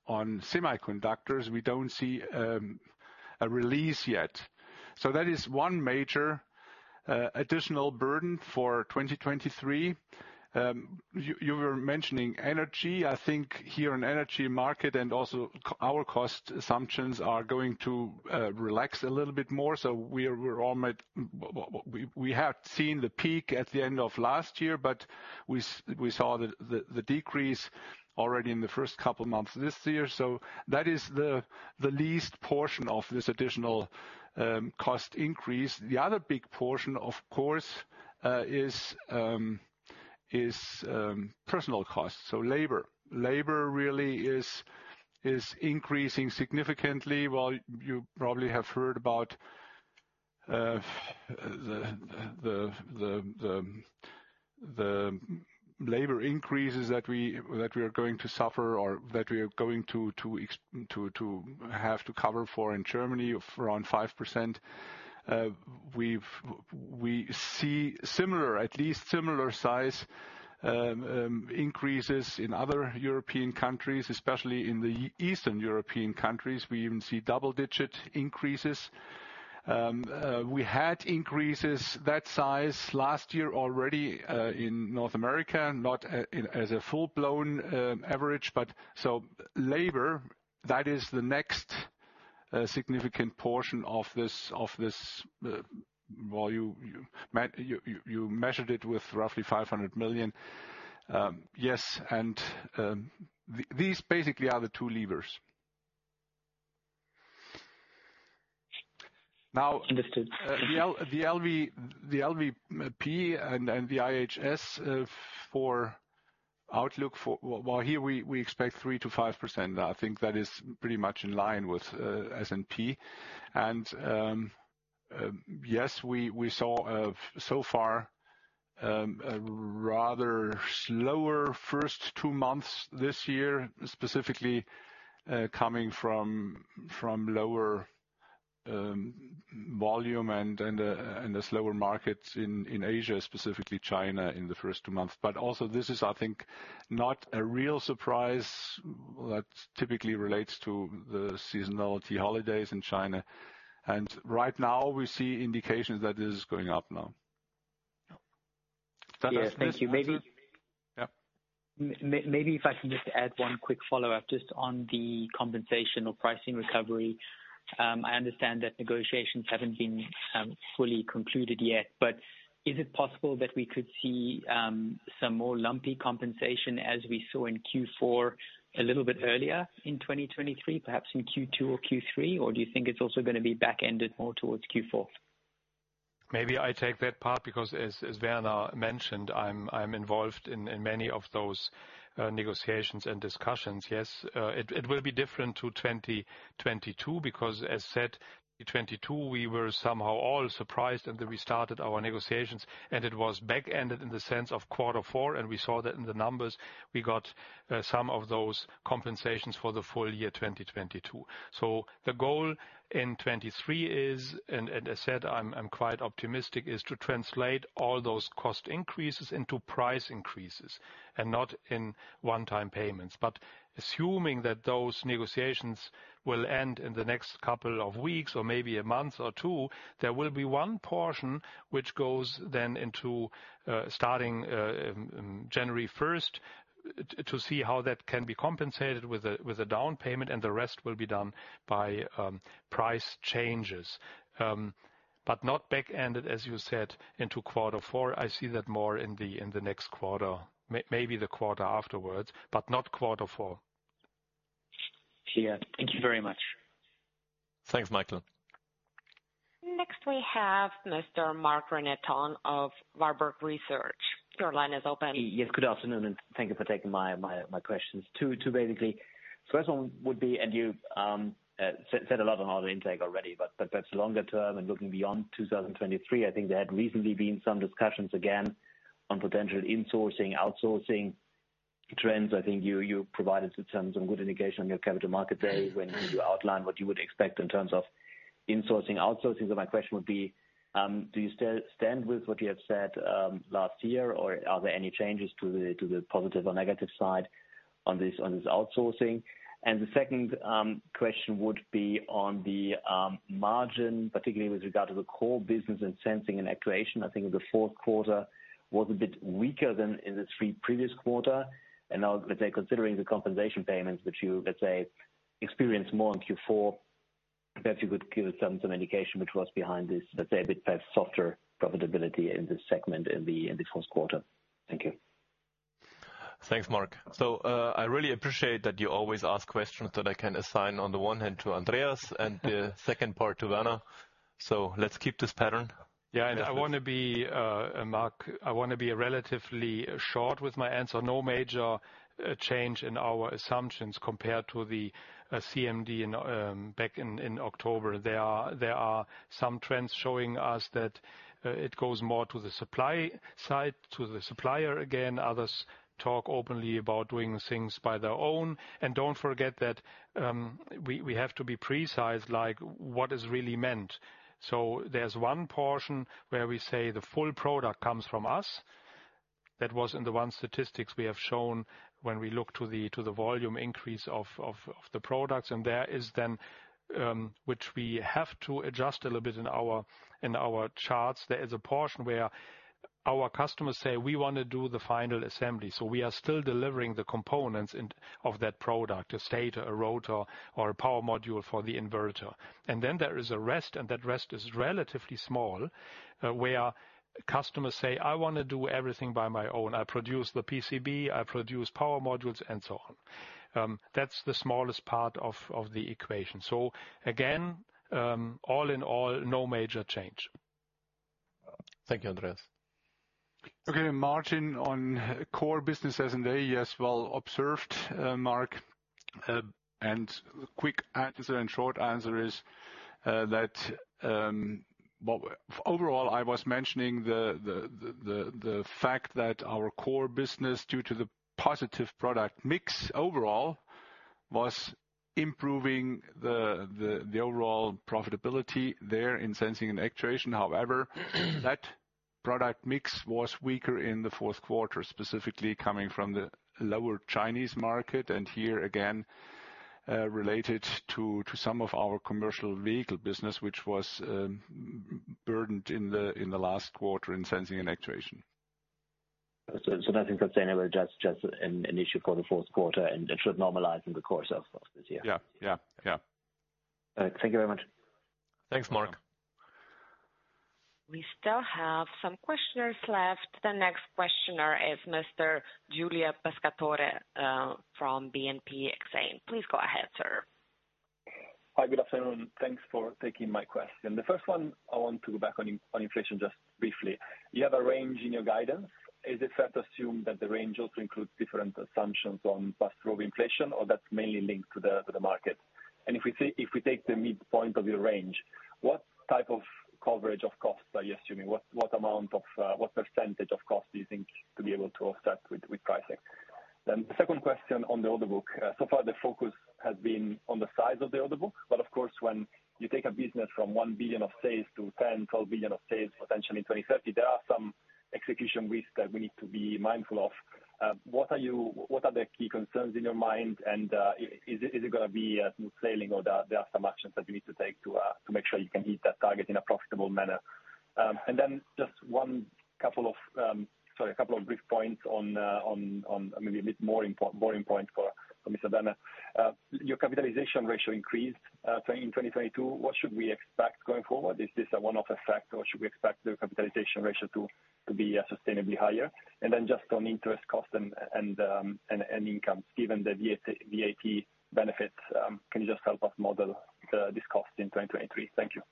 On semiconductors, we don't see a release yet. That is one major additional burden for 2023. You were mentioning energy. I think here in energy market and also our cost assumptions are going to relax a little bit more. We're all at we have seen the peak at the end of last year, but we saw the decrease already in the first couple of months this year. That is the least portion of this additional cost increase. The other big portion, of course, is personal costs, so labor. Labor really is increasing significantly. Well, you probably have heard about the labor increases that we are going to suffer or that we are going to have to cover for in Germany of around 5%. We see similar, at least similar size increases in other European countries, especially in the Eastern European countries. We even see double-digit increases. We had increases that size last year already, in North America, not as a full-blown average. Labor, that is the next significant portion of this, of this, well you measured it with roughly 500 million. Yes, and these basically are the two levers. Understood. The LV, the LVP and the IHS for outlook. Well, here we expect 3%-5%. I think that is pretty much in line with S&P. Yes, we saw so far a rather slower first two months this year, specifically coming from lower volume and a slower markets in Asia, specifically China in the first two months. Also this is, I think, not a real surprise. That typically relates to the seasonality holidays in China. Right now we see indications that it is going up now. Does that answer? Yes. Thank you. Yeah. Maybe if I can just add one quick follow-up just on the compensation or pricing recovery. I understand that negotiations haven't been fully concluded yet. Is it possible that we could see some more lumpy compensation as we saw in Q4 a little bit earlier in 2023, perhaps in Q2 or Q3? Do you think it's also gonna be back-ended more towards Q4? Maybe I take that part because as Werner mentioned, I'm involved in many of those negotiations and discussions. Yes, it will be different to 2022 because as said, in 2022 we were somehow all surprised and then we started our negotiations and it was back-ended in the sense of Q4, and we saw that in the numbers. We got some of those compensations for the full year 2022. The goal in 2023 is, and as said, I'm quite optimistic, is to translate all those cost increases into price increases and not in one-time payments. Assuming that those negotiations will end in the next couple of weeks or maybe a month or two, there will be one portion which goes then into starting January 1st to see how that can be compensated with a down payment, and the rest will be done by price changes. Not back-ended, as you said, into quarter four. I see that more in the next quarter, maybe the quarter afterwards, but not quarter four. Yeah. Thank you very much. Thanks, Michael. Next we have Mr. Marc-René Tonn of Warburg Research. Your line is open. Yes, good afternoon. Thank you for taking my questions. Two, basically. First one would be. You said a lot on order intake already, but that's longer term and looking beyond 2023. I think there had recently been some discussions again on potential insourcing, outsourcing trends. I think you provided some good indication on your Capital Market Day when you outlined what you would expect in terms of insourcing, outsourcing. My question would be, do you still stand with what you have said last year, or are there any changes to the positive or negative side on this outsourcing? The second question would be on the margin, particularly with regard to the core business in Sensing and Actuation. I think the fourth quarter was a bit weaker than in the three previous quarter. Now, let's say, considering the compensation payments which you, let's say, experienced more in Q4, perhaps you could give some indication which was behind this, let's say, a bit perhaps softer profitability in this segment in this first quarter? Thank you. Thanks, Mark. I really appreciate that you always ask questions that I can assign on the one hand to Andreas and the second part to Werner. Let's keep this pattern. Yeah, I wanna be, Mark, I wanna be relatively short with my answer. No major change in our assumptions compared to the CMD in back in October. There are some trends showing us that it goes more to the supply side, to the supplier again. Others talk openly about doing things by their own. Don't forget that we have to be precise like what is really meant. There's one portion where we say the full product comes from us. That was in the one statistics we have shown when we look to the volume increase of the products. There is then which we have to adjust a little bit in our charts. There is a portion where our customers say we wanna do the final assembly. We are still delivering the components of that product, a stator, a rotor, or a power module for the inverter. There is a rest, and that rest is relatively small, where customers say, "I wanna do everything by my own. I produce the PCB, I produce power modules," and so on. That's the smallest part of the equation. Again, all in all, no major change. Thank you, Andreas. Okay, margin on core business as in there, yes, well observed, Mark. Quick answer and short answer is that, well, overall, I was mentioning the fact that our core business, due to the positive product mix overall was improving the overall profitability there in Sensing and Actuation. However, that product mix was weaker in the fourth quarter, specifically coming from the lower Chinese market. Here again, related to some of our commercial vehicle business, which was burdened in the last quarter in Sensing and Actuation. Nothing sustainable, just an issue for the fourth quarter and it should normalize in the course of this year. Yeah. Yeah. Yeah. All right. Thank you very much. Thanks, Mark. We still have some questioners left. The next questioner is Mr. Giulio Pescatore, from BNP Exane. Please go ahead, sir. Hi, good afternoon. Thanks for taking my question. The first one, I want to go back on inflation just briefly. You have a range in your guidance. Is it fair to assume that the range also includes different assumptions on pass-through of inflation or that's mainly linked to the market? If we take the midpoint of your range, what type of coverage of costs are you assuming? What amount of, what percentage of cost do you think to be able to offset with pricing? The second question on the order book. So far the focus has been on the size of the order book, but of course, when you take a business from 1 billion of sales to 10 billion-12 billion of sales potentially in 2030, there are some execution risks that we need to be mindful of. What are the key concerns in your mind and is it gonna be a smooth sailing or there are some actions that you need to take to make sure you can hit that target in a profitable manner? Just one couple of, sorry, a couple of brief points on maybe a bit more boring point for Mr. Werner. Your capitalization ratio increased in 2022. What should we expect going forward? Is this a one-off effect or should we expect the capitalization ratio to be sustainably higher? Then just on interest cost and income, given the VIP benefits, can you just help us model this cost in 2023? Thank you.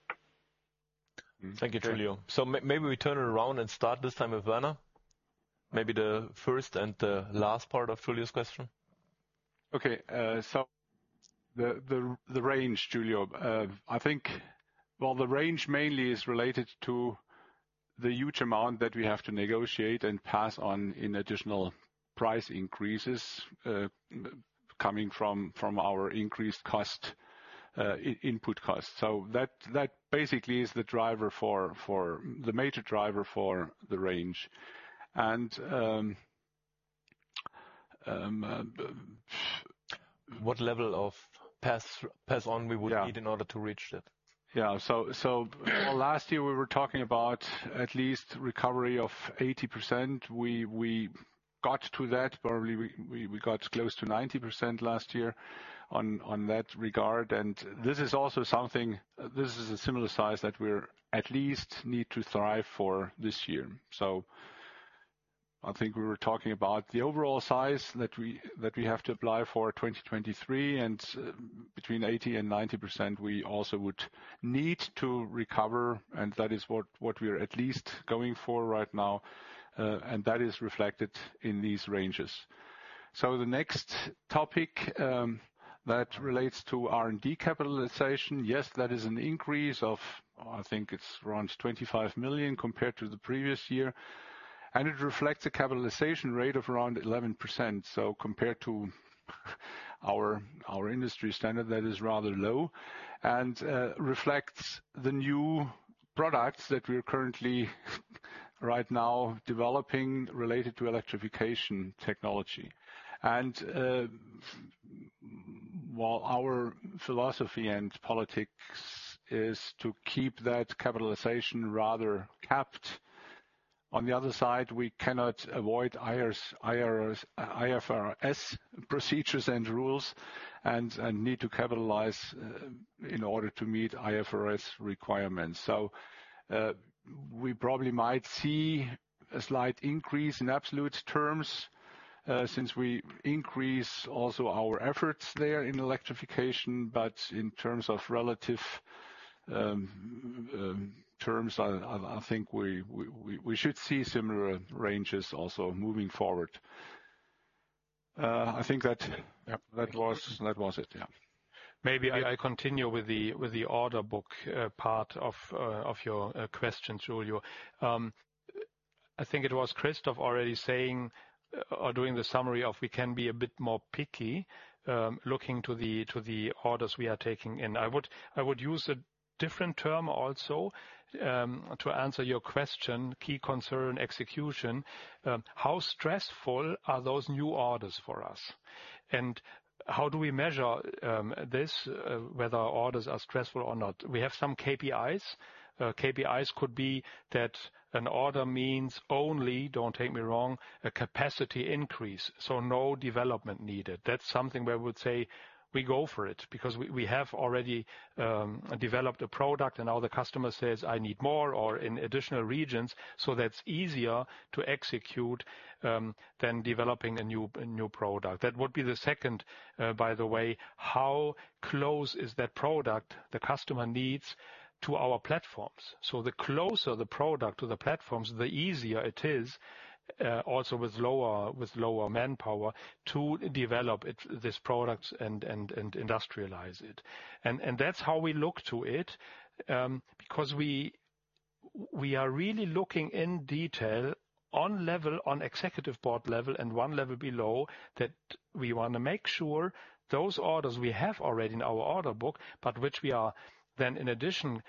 Thank you, Giulio. Maybe we turn it around and start this time with Werner. Maybe the first and the last part of Giulio's question. Okay. The range, Giulio. I think while the range mainly is related to the huge amount that we have to negotiate and pass on in additional price increases, coming from our increased cost, input costs. That basically is the driver for the major driver for the range. What level of pass on. Yeah ...need in order to reach that? Last year we were talking about at least recovery of 80%. We got to that, probably we got close to 90% last year on that regard. This is also something, this is a similar size that we at least need to thrive for this year. I think we were talking about the overall size that we have to apply for 2023 and between 80% and 90%, we also would need to recover. That is what we are at least going for right now. That is reflected in these ranges. The next topic that relates to R&D capitalization. Yes, that is an increase of, I think it's around 25 million compared to the previous year. It reflects a capitalization rate of around 11%. Compared to our industry standard, that is rather low, and reflects the new products that we are currently right now developing related to Electrification Technology. While our philosophy and politics is to keep that capitalization rather capped, on the other side, we cannot avoid IFRS procedures and rules and need to capitalize in order to meet IFRS requirements. We probably might see a slight increase in absolute terms, since we increase also our efforts there in electrification. In terms of relative terms, I think we should see similar ranges also moving forward. I think. Yep. That was it. Yeah. Maybe I continue with the order book part of your question, Giulio. I think it was Christoph already saying or doing the summary of we can be a bit more picky looking to the orders we are taking in. I would use a different term also to answer your question, key concern, execution. How stressful are those new orders for us? How do we measure this whether our orders are stressful or not? We have some KPIs. KPIs could be that an order means only, don't take me wrong, a capacity increase, so no development needed. That's something where we would say we go for it because we have already developed a product and now the customer says, "I need more or in additional regions." That's easier to execute than developing a new product. That would be the second, by the way, how close is that product the customer needs to our platforms? The closer the product to the platforms, the easier it is also with lower manpower to develop it, this product and industrialize it. That's how we look to it because we. We are really looking in detail on level, on executive board level and one level below that we want to make sure those orders we have already in our order book, but which we are then in addition,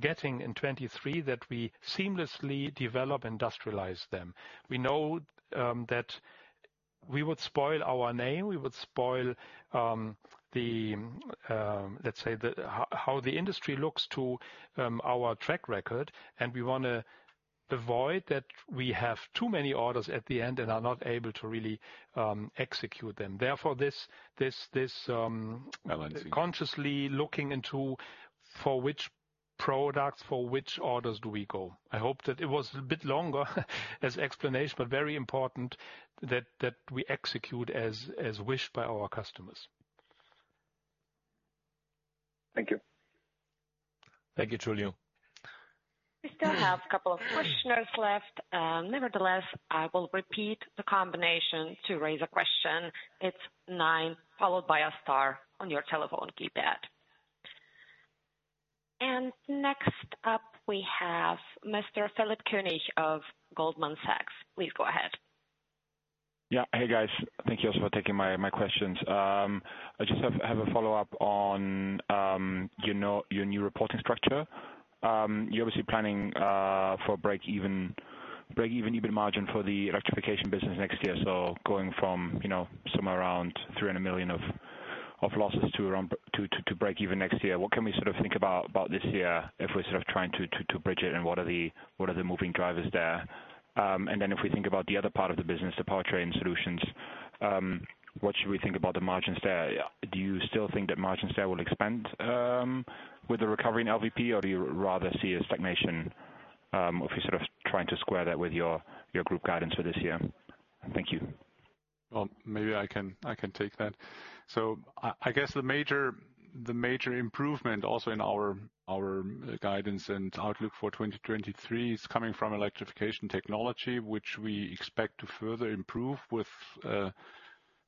getting in 23, that we seamlessly develop, industrialize them. We know that we would spoil our name, we would spoil the, let's say, the how the industry looks to our track record, and we wanna avoid that we have too many orders at the end and are not able to really execute them. Therefore, this consciously looking into for which products, for which orders do we go. I hope that it was a bit longer as explanation, but very important that we execute as wished by our customers. Thank you. Thank you, Giulio. We still have a couple of questioners left. Nevertheless, I will repeat the combination to raise a question. It's nine followed by a star on your telephone keypad. Next up, we have Mr. Philip Yeah. Hey, guys. Thank you also for taking my questions. I just have a follow-up on, you know, your new reporting structure. You're obviously planning for breakeven EBIT margin for the electrification business next year, going from, you know, somewhere around 300 million of losses to around, to breakeven next year. What can we sort of think about this year if we're sort of trying to bridge it and what are the moving drivers there? If we think about the other part of the business, the Powertrain Solutions, what should we think about the margins there? Do you still think that margins there will expand, with the recovery in LVP, or do you rather see a stagnation, if you're sort of trying to square that with your group guidance for this year? Thank you. Maybe I can take that. I guess the major improvement also in our guidance and outlook for 2023 is coming from Electrification Technology, which we expect to further improve with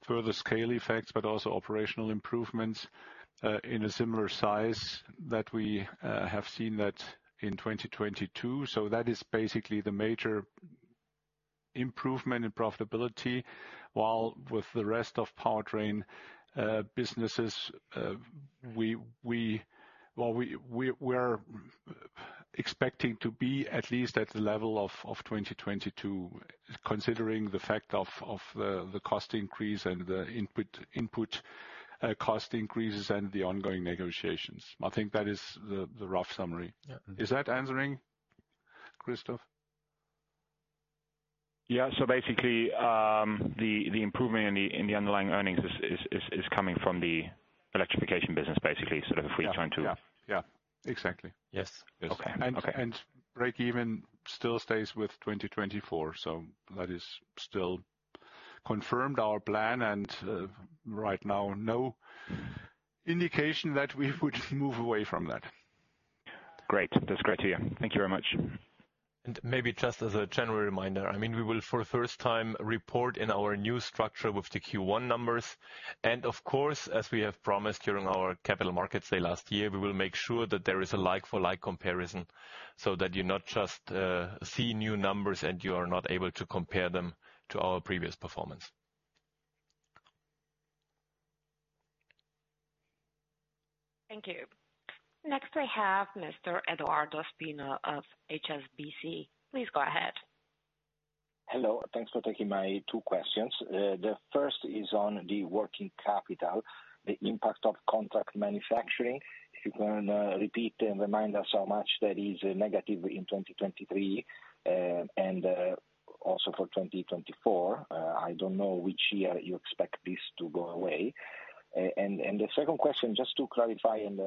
further scale effects, but also operational improvements in a similar size that we have seen that in 2022. That is basically the major improvement in profitability, while with the rest of powertrain businesses, we're expecting to be at least at the level of 2022, considering the fact of the cost increase and the input cost increases and the ongoing negotiations. I think that is the rough summary. Yeah. Is that answering, Christoph? Yeah. Basically, the improvement in the underlying earnings is coming from the electrification business, basically. Yeah. Yeah. Exactly. Yes. Yes. Okay. Okay. Breakeven still stays with 2024, so that is still confirmed our plan and, right now, no indication that we would move away from that. Great. That's great to hear. Thank you very much. Maybe just as a general reminder, I mean, we will for the first time report in our new structure with the Q1 numbers. Of course, as we have promised during our Capital Market Day last year, we will make sure that there is a like-for-like comparison so that you not just see new numbers and you are not able to compare them to our previous performance. Thank you. Next I have Mr. Edoardo Spina of HSBC. Please go ahead. Hello. Thanks for taking my two questions. The first is on the working capital, the impact of Contract Manufacturing. If you can repeat and remind us how much that is negative in 2023 and also for 2024. I don't know which year you expect this to go away. The second question, just to clarify and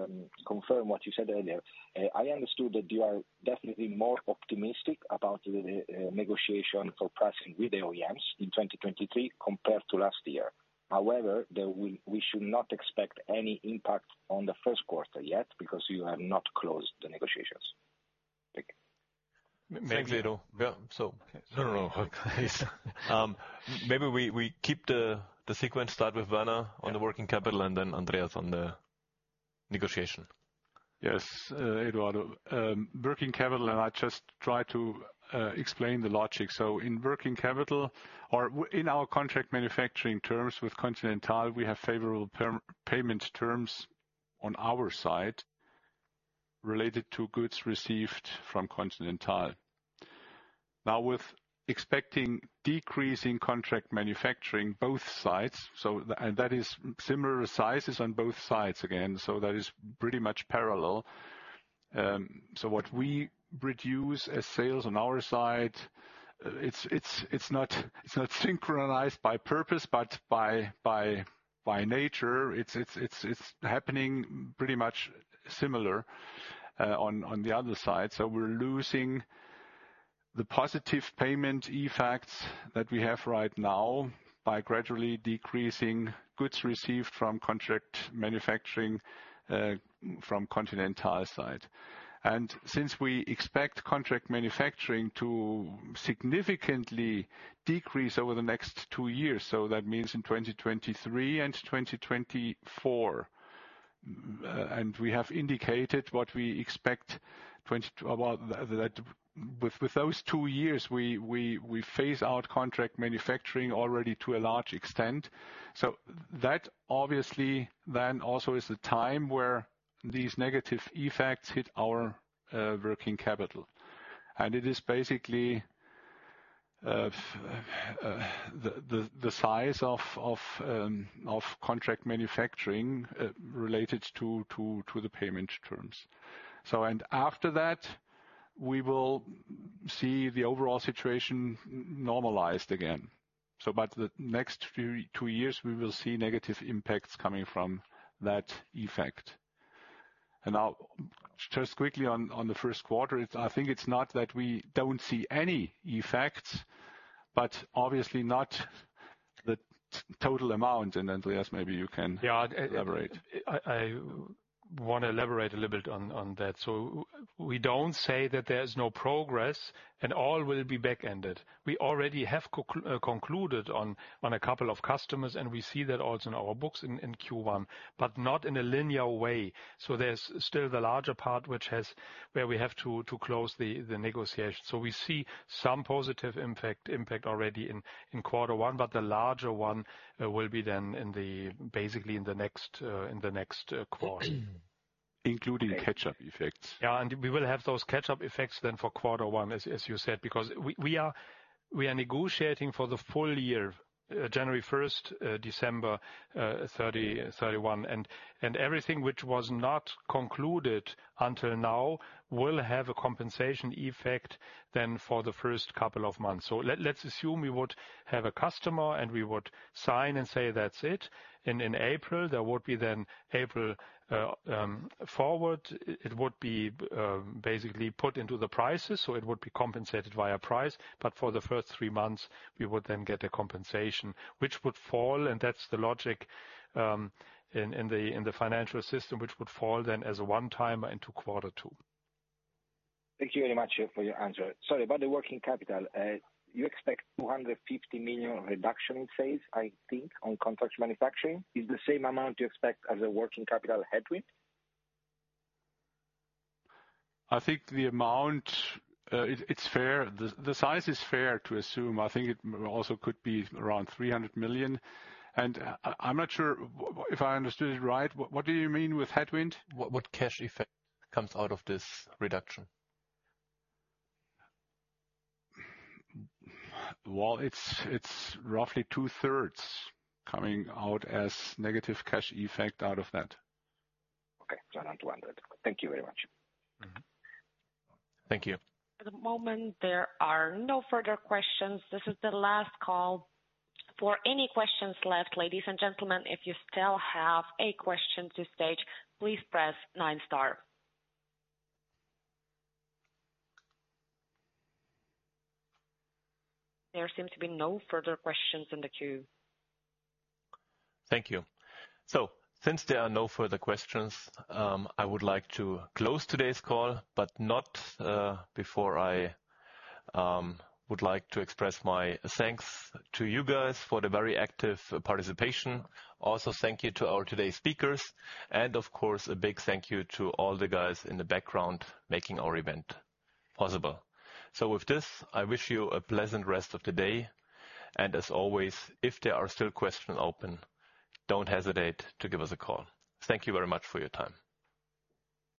confirm what you said earlier. I understood that you are definitely more optimistic about the negotiation for pricing with the OEMs in 2023 compared to last year. However, we should not expect any impact on the first quarter yet because you have not closed the negotiations. Thank you. Maybe- So- No, no. Please. Maybe we keep the sequence. Start with Werner on the working capital and then Andreas on the negotiation. Yes. Edoardo, working capital, I just try to explain the logic. In working capital or in our Contract Manufacturing terms with Continental, we have favorable payment terms on our side related to goods received from Continental. Now, with expecting decreasing Contract Manufacturing both sides, that is similar sizes on both sides again, that is pretty much parallel. What we reduce as sales on our side, it's not synchronized by purpose, but by nature, it's happening pretty much similar on the other side. We're losing the positive payment effects that we have right now by gradually decreasing goods received from Contract Manufacturing from Continental side. Since we expect Contract Manufacturing to significantly decrease over the next two years, that means in 2023 and 2024. We have indicated what we expect well, that with those two years, we phase out Contract Manufacturing already to a large extent. That obviously then also is the time where these negative effects hit our working capital. It is basically the size of Contract Manufacturing related to the payment terms. After that, we will see the overall situation normalized again. The next few, copy years, we will see negative impacts coming from that effect. Now just quickly on the first quarter. I think it's not that we don't see any effects, but obviously not the total amount. Andreas, maybe you can. Yeah. Elaborate. I want to elaborate a little bit on that. We don't say that there is no progress and all will be backended. We already have concluded on a couple of customers, and we see that also in our books in Q1, but not in a linear way. There's still the larger part where we have to close the negotiations. We see some positive impact already in quarter one, but the larger one will be then basically in the next quarter. Including catch-up effects. We will have those catch-up effects then for quarter one, as you said, because we are negotiating for the full year, January 1st, December 31. Everything which was not concluded until now will have a compensation effect then for the first couple of months. Let's assume we would have a customer and we would sign and say, that's it. In April, that would be then April forward, it would be basically put into the prices, so it would be compensated via price. For the first three months, we would then get a compensation which would fall, and that's the logic, in the financial system, which would fall then as a one-time into quarter two. Thank you very much for your answer. Sorry, about the working capital. You expect 250 million reduction in sales, I think, on Contract Manufacturing. Is the same amount you expect as a working capital headwind? I think the amount, it's fair. The size is fair to assume. I think it also could be around 300 million. I'm not sure if I understood it right. What do you mean with headwind? What cash effect comes out of this reduction? Well, it's roughly 2/3 coming out as negative cash effect out of that. Okay. Around EUR 200. Thank you very much. Mm-hmm. Thank you. At the moment, there are no further questions. This is the last call for any questions left, ladies and gentlemen. If you still have a question to stage, please press nine, star. There seem to be no further questions in the queue. Thank you. Since there are no further questions, I would like to close today's call, but not before I would like to express my thanks to you guys for the very active participation. Also, thank you to our today's speakers and of course, a big thank you to all the guys in the background making our event possible. With this, I wish you a pleasant rest of the day. As always, if there are still questions open, don't hesitate to give us a call. Thank you very much for your time.